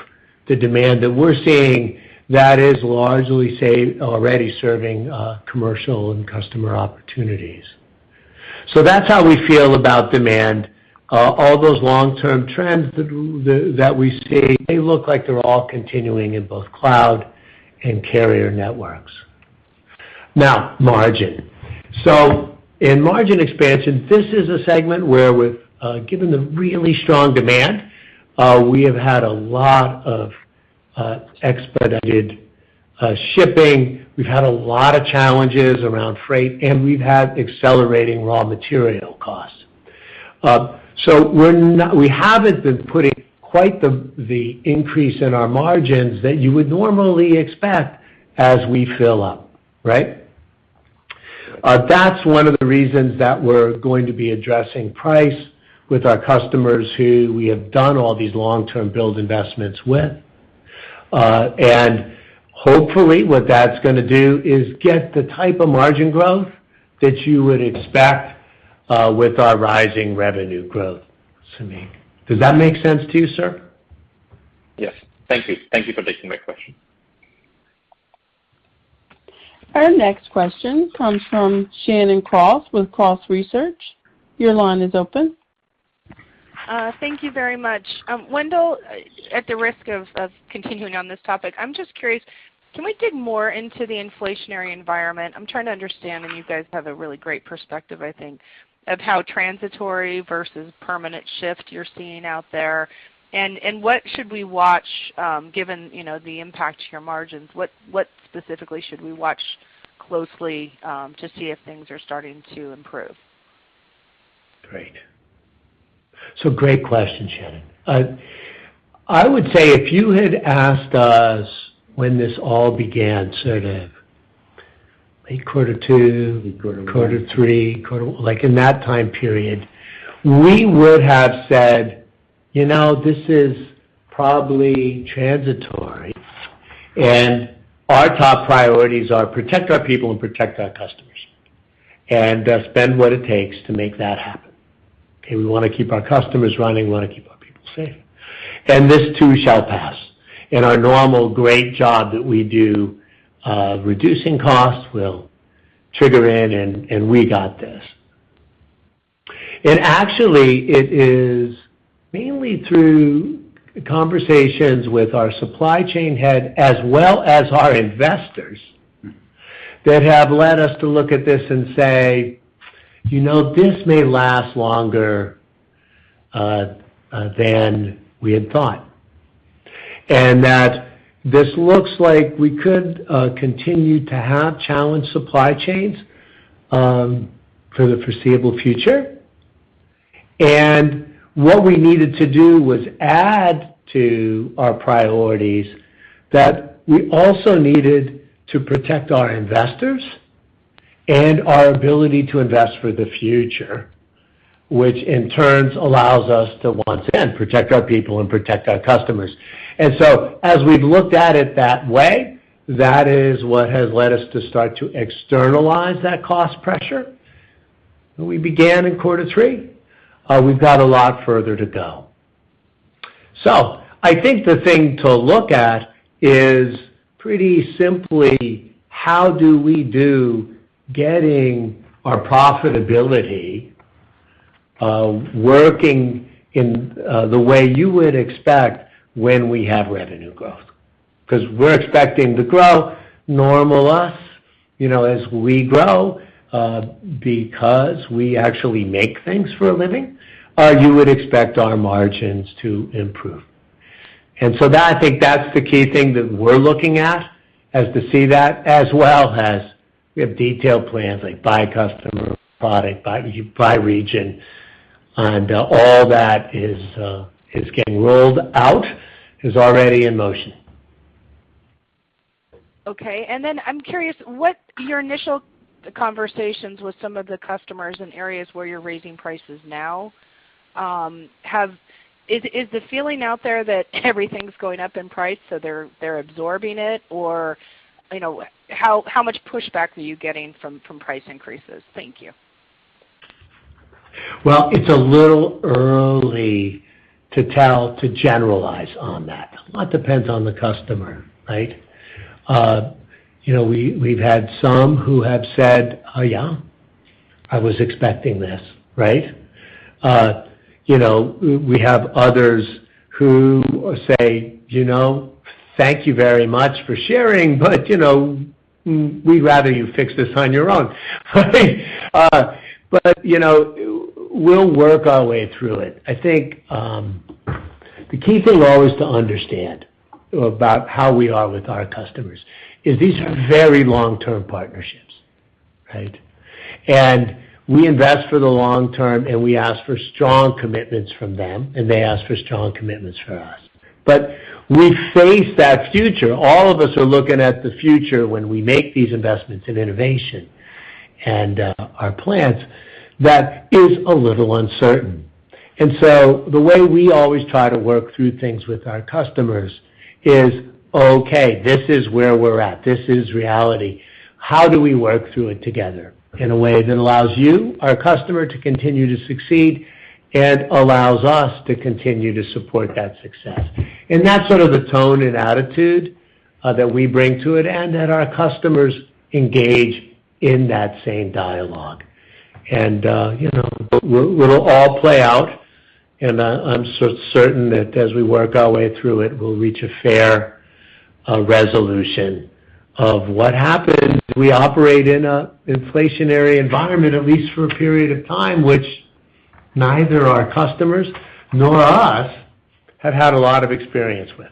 the demand that we're seeing that is largely, say, already serving, commercial and customer opportunities. That's how we feel about demand. All those long-term trends that we see, they look like they're all continuing in both cloud and carrier networks. Now, margin. In margin expansion, this is a segment where, given the really strong demand, we have had a lot of expedited shipping, we've had a lot of challenges around freight, and we've had accelerating raw material costs. We haven't been putting quite the increase in our margins that you would normally expect as we fill up, right? That's one of the reasons that we're going to be addressing price, with our customers who we have done all these long-term build investments with. Hopefully, what that's gonna do is get the type of margin growth that you would expect with our rising revenue growth, Samik. Does that make sense to you, sir? Yes. Thank you. Thank you for taking my question. Our next question comes from Shannon Cross with Cross Research. Your line is open. Thank you very much. Wendell, at the risk of continuing on this topic, I'm just curious, can we dig more into the inflationary environment? I'm trying to understand, and you guys have a really great perspective, I think, of how transitory versus permanent shift you're seeing out there. What should we watch, given, you know, the impact to your margins? What specifically should we watch closely, to see if things are starting to improve? Great. Great question, Shannon. I would say if you had asked us when this all began, sort of late quarter two, quarter three, like in that time period, we would have said, "You know, this is probably transitory, and our top priorities are protect our people and protect our customers, and spend what it takes to make that happen. Okay. We wanna keep our customers running, we wanna keep our people safe. This too shall pass. Our normal great job that we do of reducing costs will trigger in, and we got this. Actually, it is mainly through conversations with our supply chain head as well as our investors that have led us to look at this and say, "You know, this may last longer than we had thought, and that this looks like we could continue to have challenged supply chains, for the foreseeable future." What we needed to do was add to our priorities, that we also needed to protect our investors and our ability to invest for the future, which in turn allows us to once again protect our people and protect our customers. As we've looked at it that way, that is what has led us to start to externalize that cost pressure. We began in quarter three. We've got a lot further to go. I think the thing to look at is pretty simply how do we do getting our profitability working in the way you would expect when we have revenue growth. Because we're expecting to grow, normalize, you know, as we grow, because we actually make things for a living, you would expect our margins to improve. That, I think that's the key thing that we're looking at, as to see that as well as we have detailed plans like by customer, product, by region, and all that is getting rolled out, is already in motion. Okay. I'm curious, what your initial conversations with some of the customers in areas where you're raising prices now, is the feeling out there that everything's going up in price, so they're absorbing it? Or, you know, how much pushback are you getting from price increases? Thank you. Well, it's a little early to tell, to generalize on that. A lot depends on the customer, right? You know, we've had some who have said, "Oh, yeah, I was expecting this," right? You know, we have others who say, you know, "Thank you very much for sharing, but, you know, we'd rather you fix this on your own." But, you know, we'll work our way through it. I think, the key thing always to understand about how we are with our customers is these are very long-term partnerships, right? We invest for the long term, and we ask for strong commitments from them, and they ask for strong commitments for us. We face that future. All of us are looking at the future when we make these investments in innovation and our plans. That is a little uncertain. The way we always try to work through things with our customers is, okay, this is where we're at. This is reality. How do we work through it together in a way that allows you, our customer, to continue to succeed, and allows us to continue to support that success? That's sort of the tone and attitude that we bring to it and that our customers engage in that same dialogue. You know, it'll all play out, and I'm so certain that as we work our way through it, we'll reach a fair resolution of what happens. We operate in an inflationary environment, at least for a period of time, which neither our customers nor us have had a lot of experience with.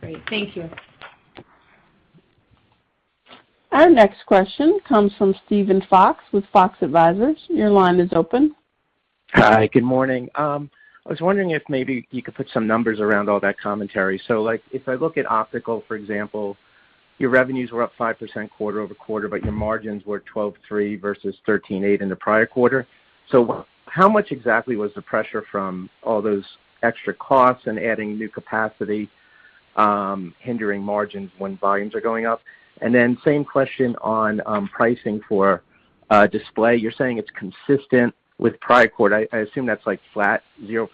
Great. Thank you. Our next question comes from Steven Fox with Fox Advisors. Your line is open. Hi, good morning. I was wondering if maybe you could put some numbers around all that commentary. Like, if I look at Optical, for example, your revenues were up 5% quarter-over-quarter, but your margins were 12.3 versus 13.8 in the prior quarter. How much exactly was the pressure from all those extra costs and adding new capacity hindering margins when volumes are going up? Same question on pricing for display, you're saying it's consistent with prior quarter. I assume that's like flat 0%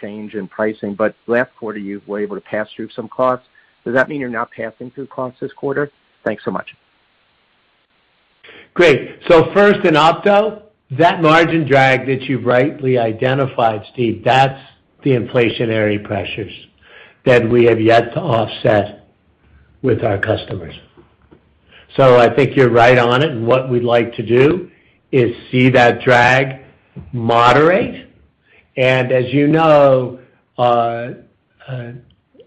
change in pricing. Last quarter, you were able to pass through some costs. Does that mean you're not passing through costs this quarter? Thanks so much. Great. First, in Opto, that margin drag that you rightly identified, Steve, that's the inflationary pressures that we have yet to offset with our customers. I think you're right on it, and what we'd like to do is see that drag moderate. As you know,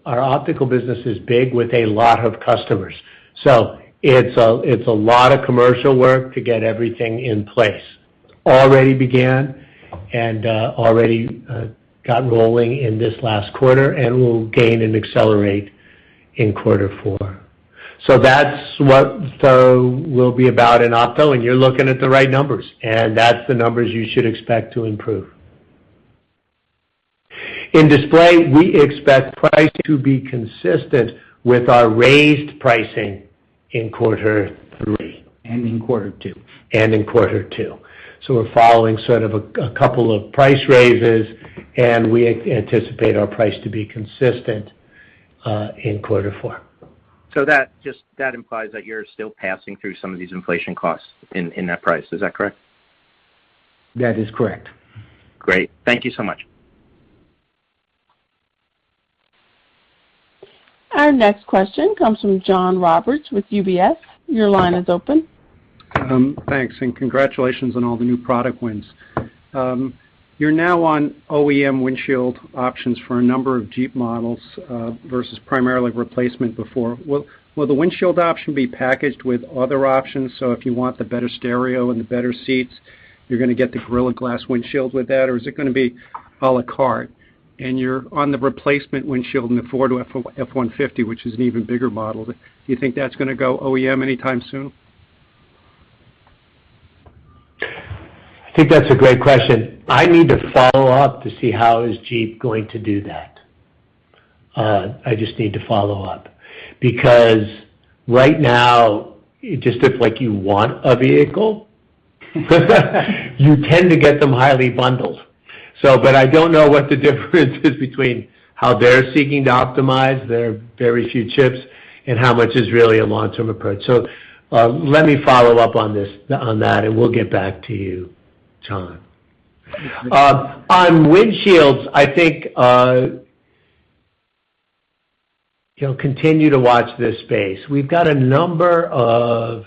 our optical business is big with a lot of customers. It's a lot of commercial work to get everything in place. We already got rolling in this last quarter and will gain and accelerate in quarter four. That's what we'll be about in Opto, and you're looking at the right numbers, and that's the numbers you should expect to improve. In Display, we expect price to be consistent with our raised pricing in quarter three. In quarter two. In quarter two, we're following sort of a couple of price raises, and we anticipate our price to be consistent in quarter four. That implies that you're still passing through some of these inflation costs in that price. Is that correct? That is correct. Great. Thank you so much. Our next question comes from John Roberts with UBS. Your line is open. Thanks, and congratulations on all the new product wins. You're now on OEM windshield options for a number of Jeep models, versus primarily replacement before. Will the windshield option be packaged with other options, so if you want the better stereo and the better seats, you're gonna get the Gorilla Glass windshield with that, or is it gonna be à la carte? You're on the replacement windshield in the Ford F-150, which is an even bigger model. Do you think that's gonna go OEM anytime soon? I think that's a great question. I need to follow up to see how Jeep is going to do that. I just need to follow up. Because right now, just if like you want a vehicle, you tend to get them highly bundled. I don't know what the difference is between how they're seeking to optimize their very few chips and how much is really a long-term approach. Let me follow up on that, and we'll get back to you, John. On windshields, I think, you'll continue to watch this space. We've got a number of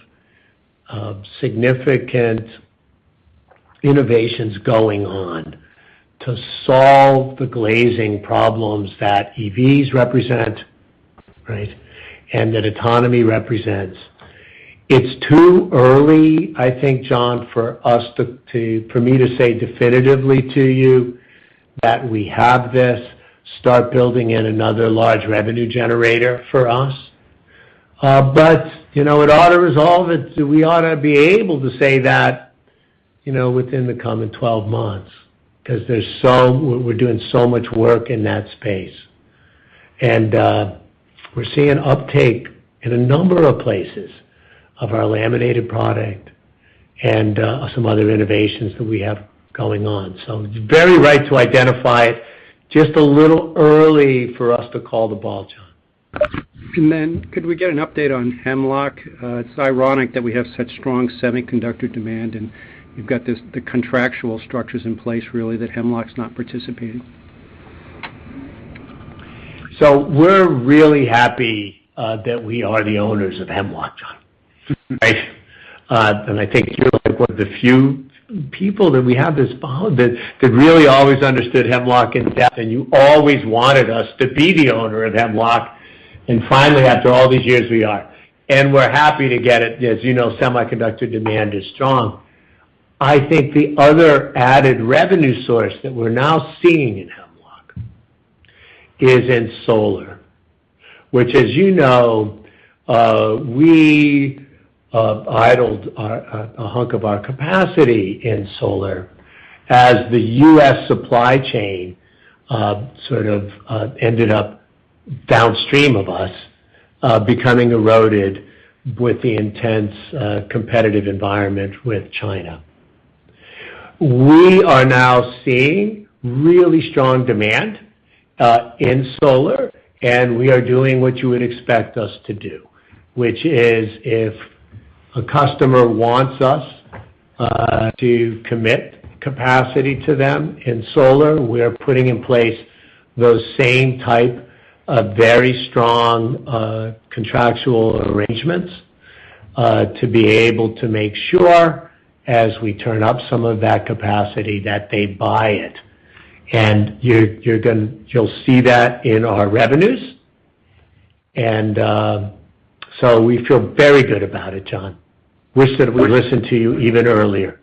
significant innovations going on to solve the glazing problems that EVs represent, right, and that autonomy represents. It's too early, I think, John, for us to. For me to say definitively to you that we have this, start building yet another large revenue generator for us. You know, it ought to resolve it. We ought to be able to say that, you know, within the coming 12 months, 'cause we're doing so much work in that space. We're seeing uptake in a number of places of our laminated product and some other innovations that we have going on. It's very right to identify it. Just a little early for us to call the ball, John. Could we get an update on Hemlock? It's ironic that we have such strong semiconductor demand, and you've got this, the contractual structures in place really that Hemlock's not participating. We're really happy that we are the owners of Hemlock, John, right? I think you're like one of the few people that we have this bond that really always understood Hemlock in depth, and you always wanted us to be the owner of Hemlock. Finally, after all these years, we are. We're happy to get it. As you know, semiconductor demand is strong. I think the other added revenue source that we're now seeing in Hemlock is in solar, which, as you know, we idled a hunk of our capacity in solar as the U.S. supply chain, sort of ended up downstream of us becoming eroded with the intense competitive environment with China. We are now seeing really strong demand in solar, and we are doing what you would expect us to do, which is if a customer wants us, to commit capacity to them in solar, we are putting in place those same type of very strong contractual arrangements to be able to make sure as we turn up some of that capacity that they buy it. You'll see that in our revenues. We feel very good about it, John. Wish that we listened to you even earlier.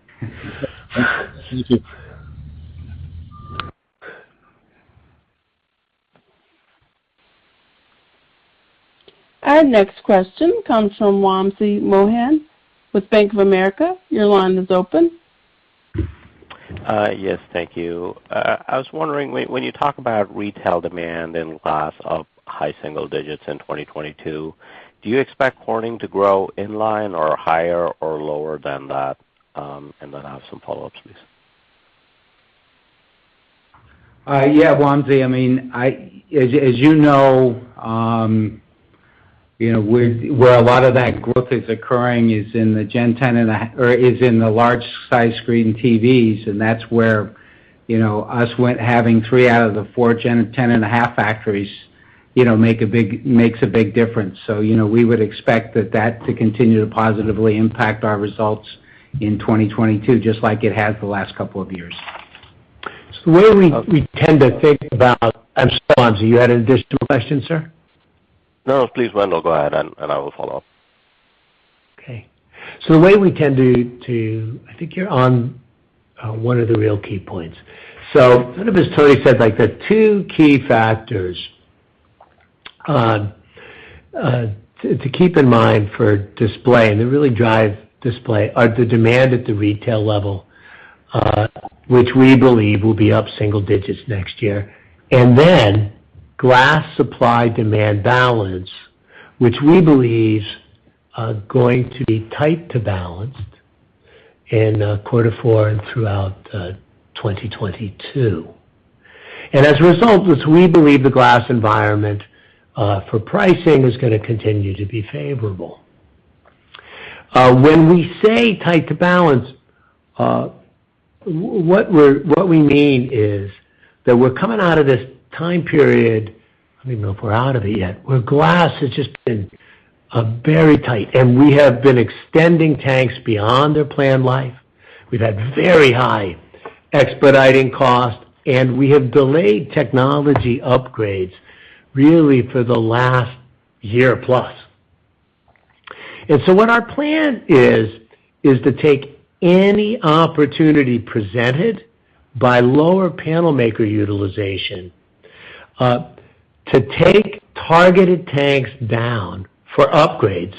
Our next question comes from Wamsi Mohan with Bank of America. Your line is open. Yes, thank you. I was wondering when you talk about retail demand in glass of high single digits in 2022, do you expect Corning to grow in line or higher or lower than that? I have some follow-ups, please. Yeah, Wamsi. I mean, as you know, you know, where a lot of that growth is occurring is in the large-size screen TVs, and that's where, you know, we've got having three out of the four Gen 10 and a half factories, you know, makes a big difference. You know, we would expect that to continue to positively impact our results in 2022, just like it has the last couple of years. The way we tend to think about. I'm sorry, Wamsi, you had an additional question, sir? No, please, Wendell, go ahead, and I will follow up. Okay. The way we tend to I think you're on one of the real key points. Kind of as Tony said, like, the two key factors to keep in mind for display, and that really drive display are the demand at the retail level, which we believe will be up single digits next year, and then glass supply-demand balance, which we believe are going to be tight to balanced in quarter four and throughout 2022. As a result is we believe the glass environment for pricing is gonna continue to be favorable. When we say tight to balance, what we mean is that we're coming out of this time period. I don't even know if we're out of it yet, where glass has just been very tight, and we have been extending tanks beyond their planned life. We've had very high expediting costs, and we have delayed technology upgrades really for the last year plus. What our plan is, to take any opportunity presented, by lower panel maker utilization to take targeted tanks down for upgrades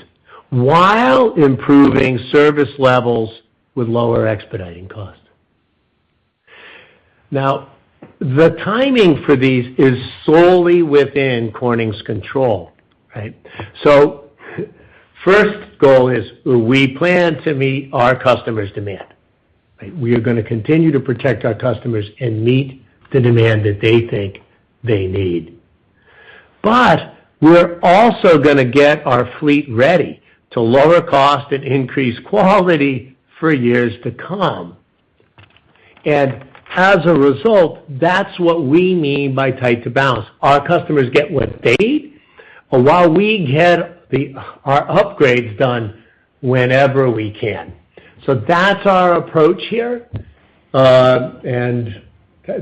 while improving service levels with lower expediting costs. Now, the timing for these is solely within Corning's control, right? First goal is we plan to meet our customers' demand. We are gonna continue to protect our customers and meet the demand that they think they need. We're also gonna get our fleet ready to lower cost and increase quality for years to come. As a result, that's what we mean by tight to balance. Our customers get what they need while we get our upgrades done whenever we can. That's our approach here, and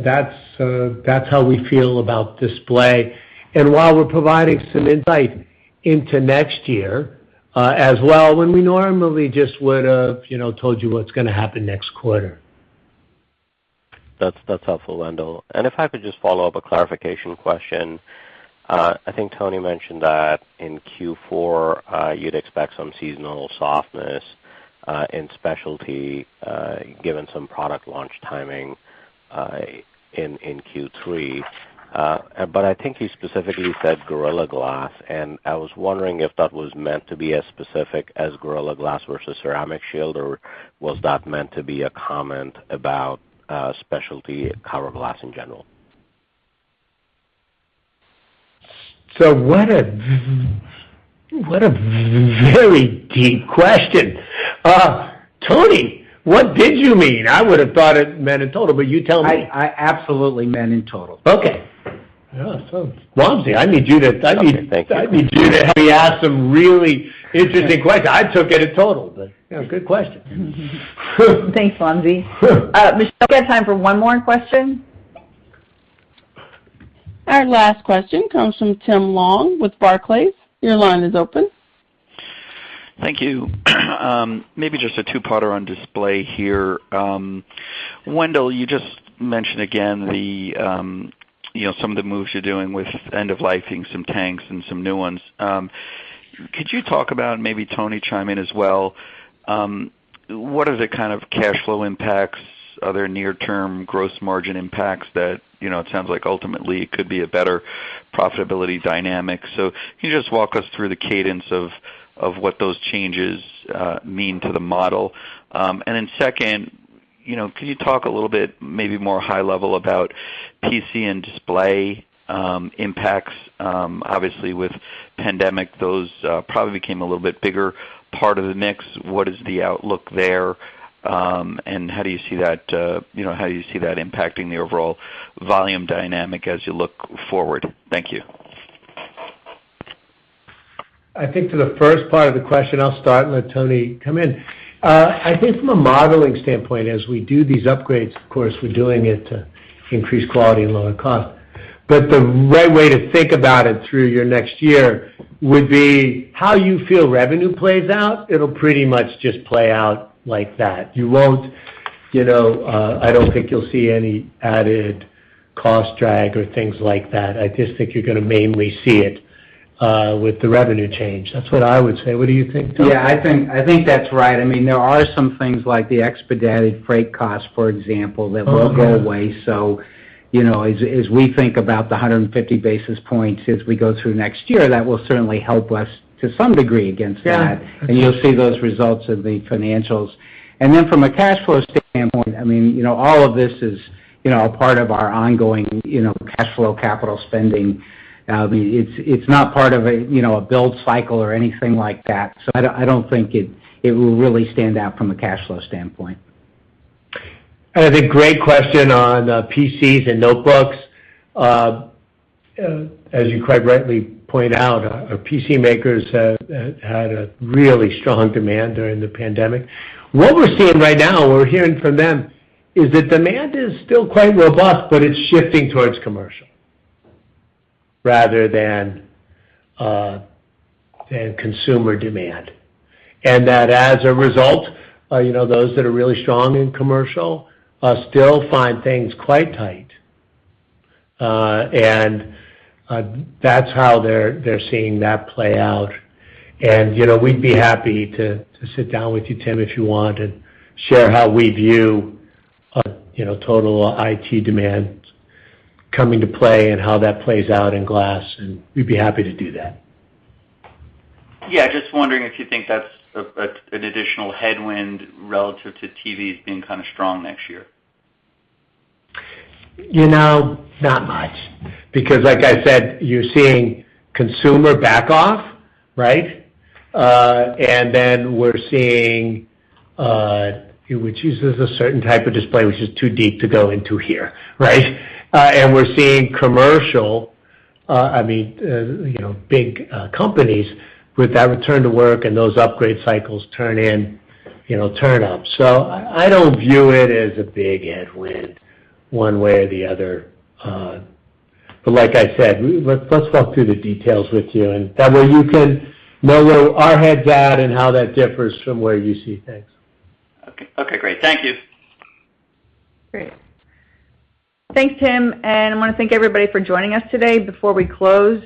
that's how we feel about display. While we're providing some insight into next year, as well, when we normally just would have, you know, told you what's gonna happen next quarter. That's helpful, Wendell. If I could just follow up a clarification question. I think Tony mentioned that in Q4, you'd expect some seasonal softness in specialty, given some product launch timing in Q3. But I think he specifically said Gorilla Glass, and I was wondering if that was meant to be as specific as Gorilla Glass versus Ceramic Shield, or was that meant to be a comment about specialty cover glass in general? What a very deep question. Tony, what did you mean? I would have thought it meant in total, but you tell me. I absolutely meant in total. Okay. Yeah. Wamsi, I need you to- Okay. Thank you. I need you to help me ask some really interesting questions. I took it in total, but you know, good question. Thanks, Wamsi. Michelle, we have time for one more question. Our last question comes from Tim Long with Barclays. Your line is open. Thank you. Maybe just a two-parter on display here. Wendell, you just mentioned again the, you know, some of the moves you're doing with end-of-lifing some tanks and some new ones. Could you talk about, and maybe Tony chime in as well, what are the kind of cash flow impacts? Are there near-term gross margin impacts that, you know, it sounds like ultimately it could be a better profitability dynamic. Can you just walk us through the cadence of what those changes mean to the model? Second, you know, can you talk a little bit, maybe more high level about PC and display impacts, obviously with pandemic, those probably became a little bit bigger part of the mix. What is the outlook there, and how do you see that impacting the overall volume dynamic as you look forward? Thank you. I think for the first part of the question, I'll start and let Tony come in. I think from a modeling standpoint, as we do these upgrades, of course, we're doing it to increase quality and lower cost. The right way to think about it through your next year would be how you feel revenue plays out, it'll pretty much just play out like that. You won't, you know, I don't think you'll see any added cost drag or things like that. I just think you're gonna mainly see it with the revenue change. That's what I would say. What do you think, Tony? Yeah, I think that's right. I mean, there are some things like the expedited freight costs, for example. Oh, yeah. that will go away. You know, as we think about the 150 basis points as we go through next year, that will certainly help us to some degree against that. Yeah. You'll see those results in the financials. From a cash flow standpoint, I mean, you know, all of this is, you know, a part of our ongoing, you know, cash flow capital spending. It's not part of a, you know, a build cycle or anything like that. I don't think it will really stand out from a cash flow standpoint. I think great question on PCs and notebooks. As you quite rightly point out, our PC makers had a really strong demand during the pandemic. What we're seeing right now, we're hearing from them, is that demand is still quite robust, but it's shifting towards commercial, rather than consumer demand. That as a result, you know, those that are really strong in commercial, still find things quite tight. That's how they're seeing that play out. You know, we'd be happy to sit down with you, Tim, if you want, and share how we view total IT demand coming to play and how that plays out in glass, and we'd be happy to do that. Yeah, just wondering if you think that's an additional headwind relative to TVs being kind of strong next year? You know, not much. Because like I said, you're seeing consumer back off, right? Then we're seeing, which uses a certain type of display which is too deep to go into here, right? We're seeing commercial, I mean, you know, big companies with that return to work and those upgrade cycles turn up. I don't view it as a big headwind one way or the other. Like I said, let's walk through the details with you, and that way you can know where our heads at and how that differs from where you see things. Okay. Okay, great. Thank you. Great. Thanks, Tim, and I wanna thank everybody for joining us today. Before we close,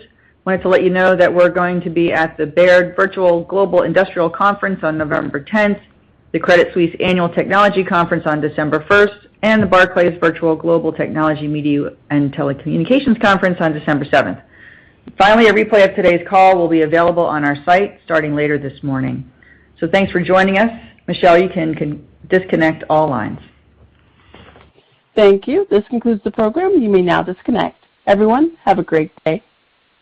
wanted to let you know that we're going to be at the Baird Virtual Global Industrial Conference on November 10, the Credit Suisse Annual Technology Conference on December 1, and the Barclays Virtual Global Technology, Media and Telecommunications Conference on December 7. Finally, a replay of today's call will be available on our site starting later this morning. Thanks for joining us. Michelle, you can disconnect all lines. Thank you. This concludes the program. You may now disconnect. Everyone, have a great day.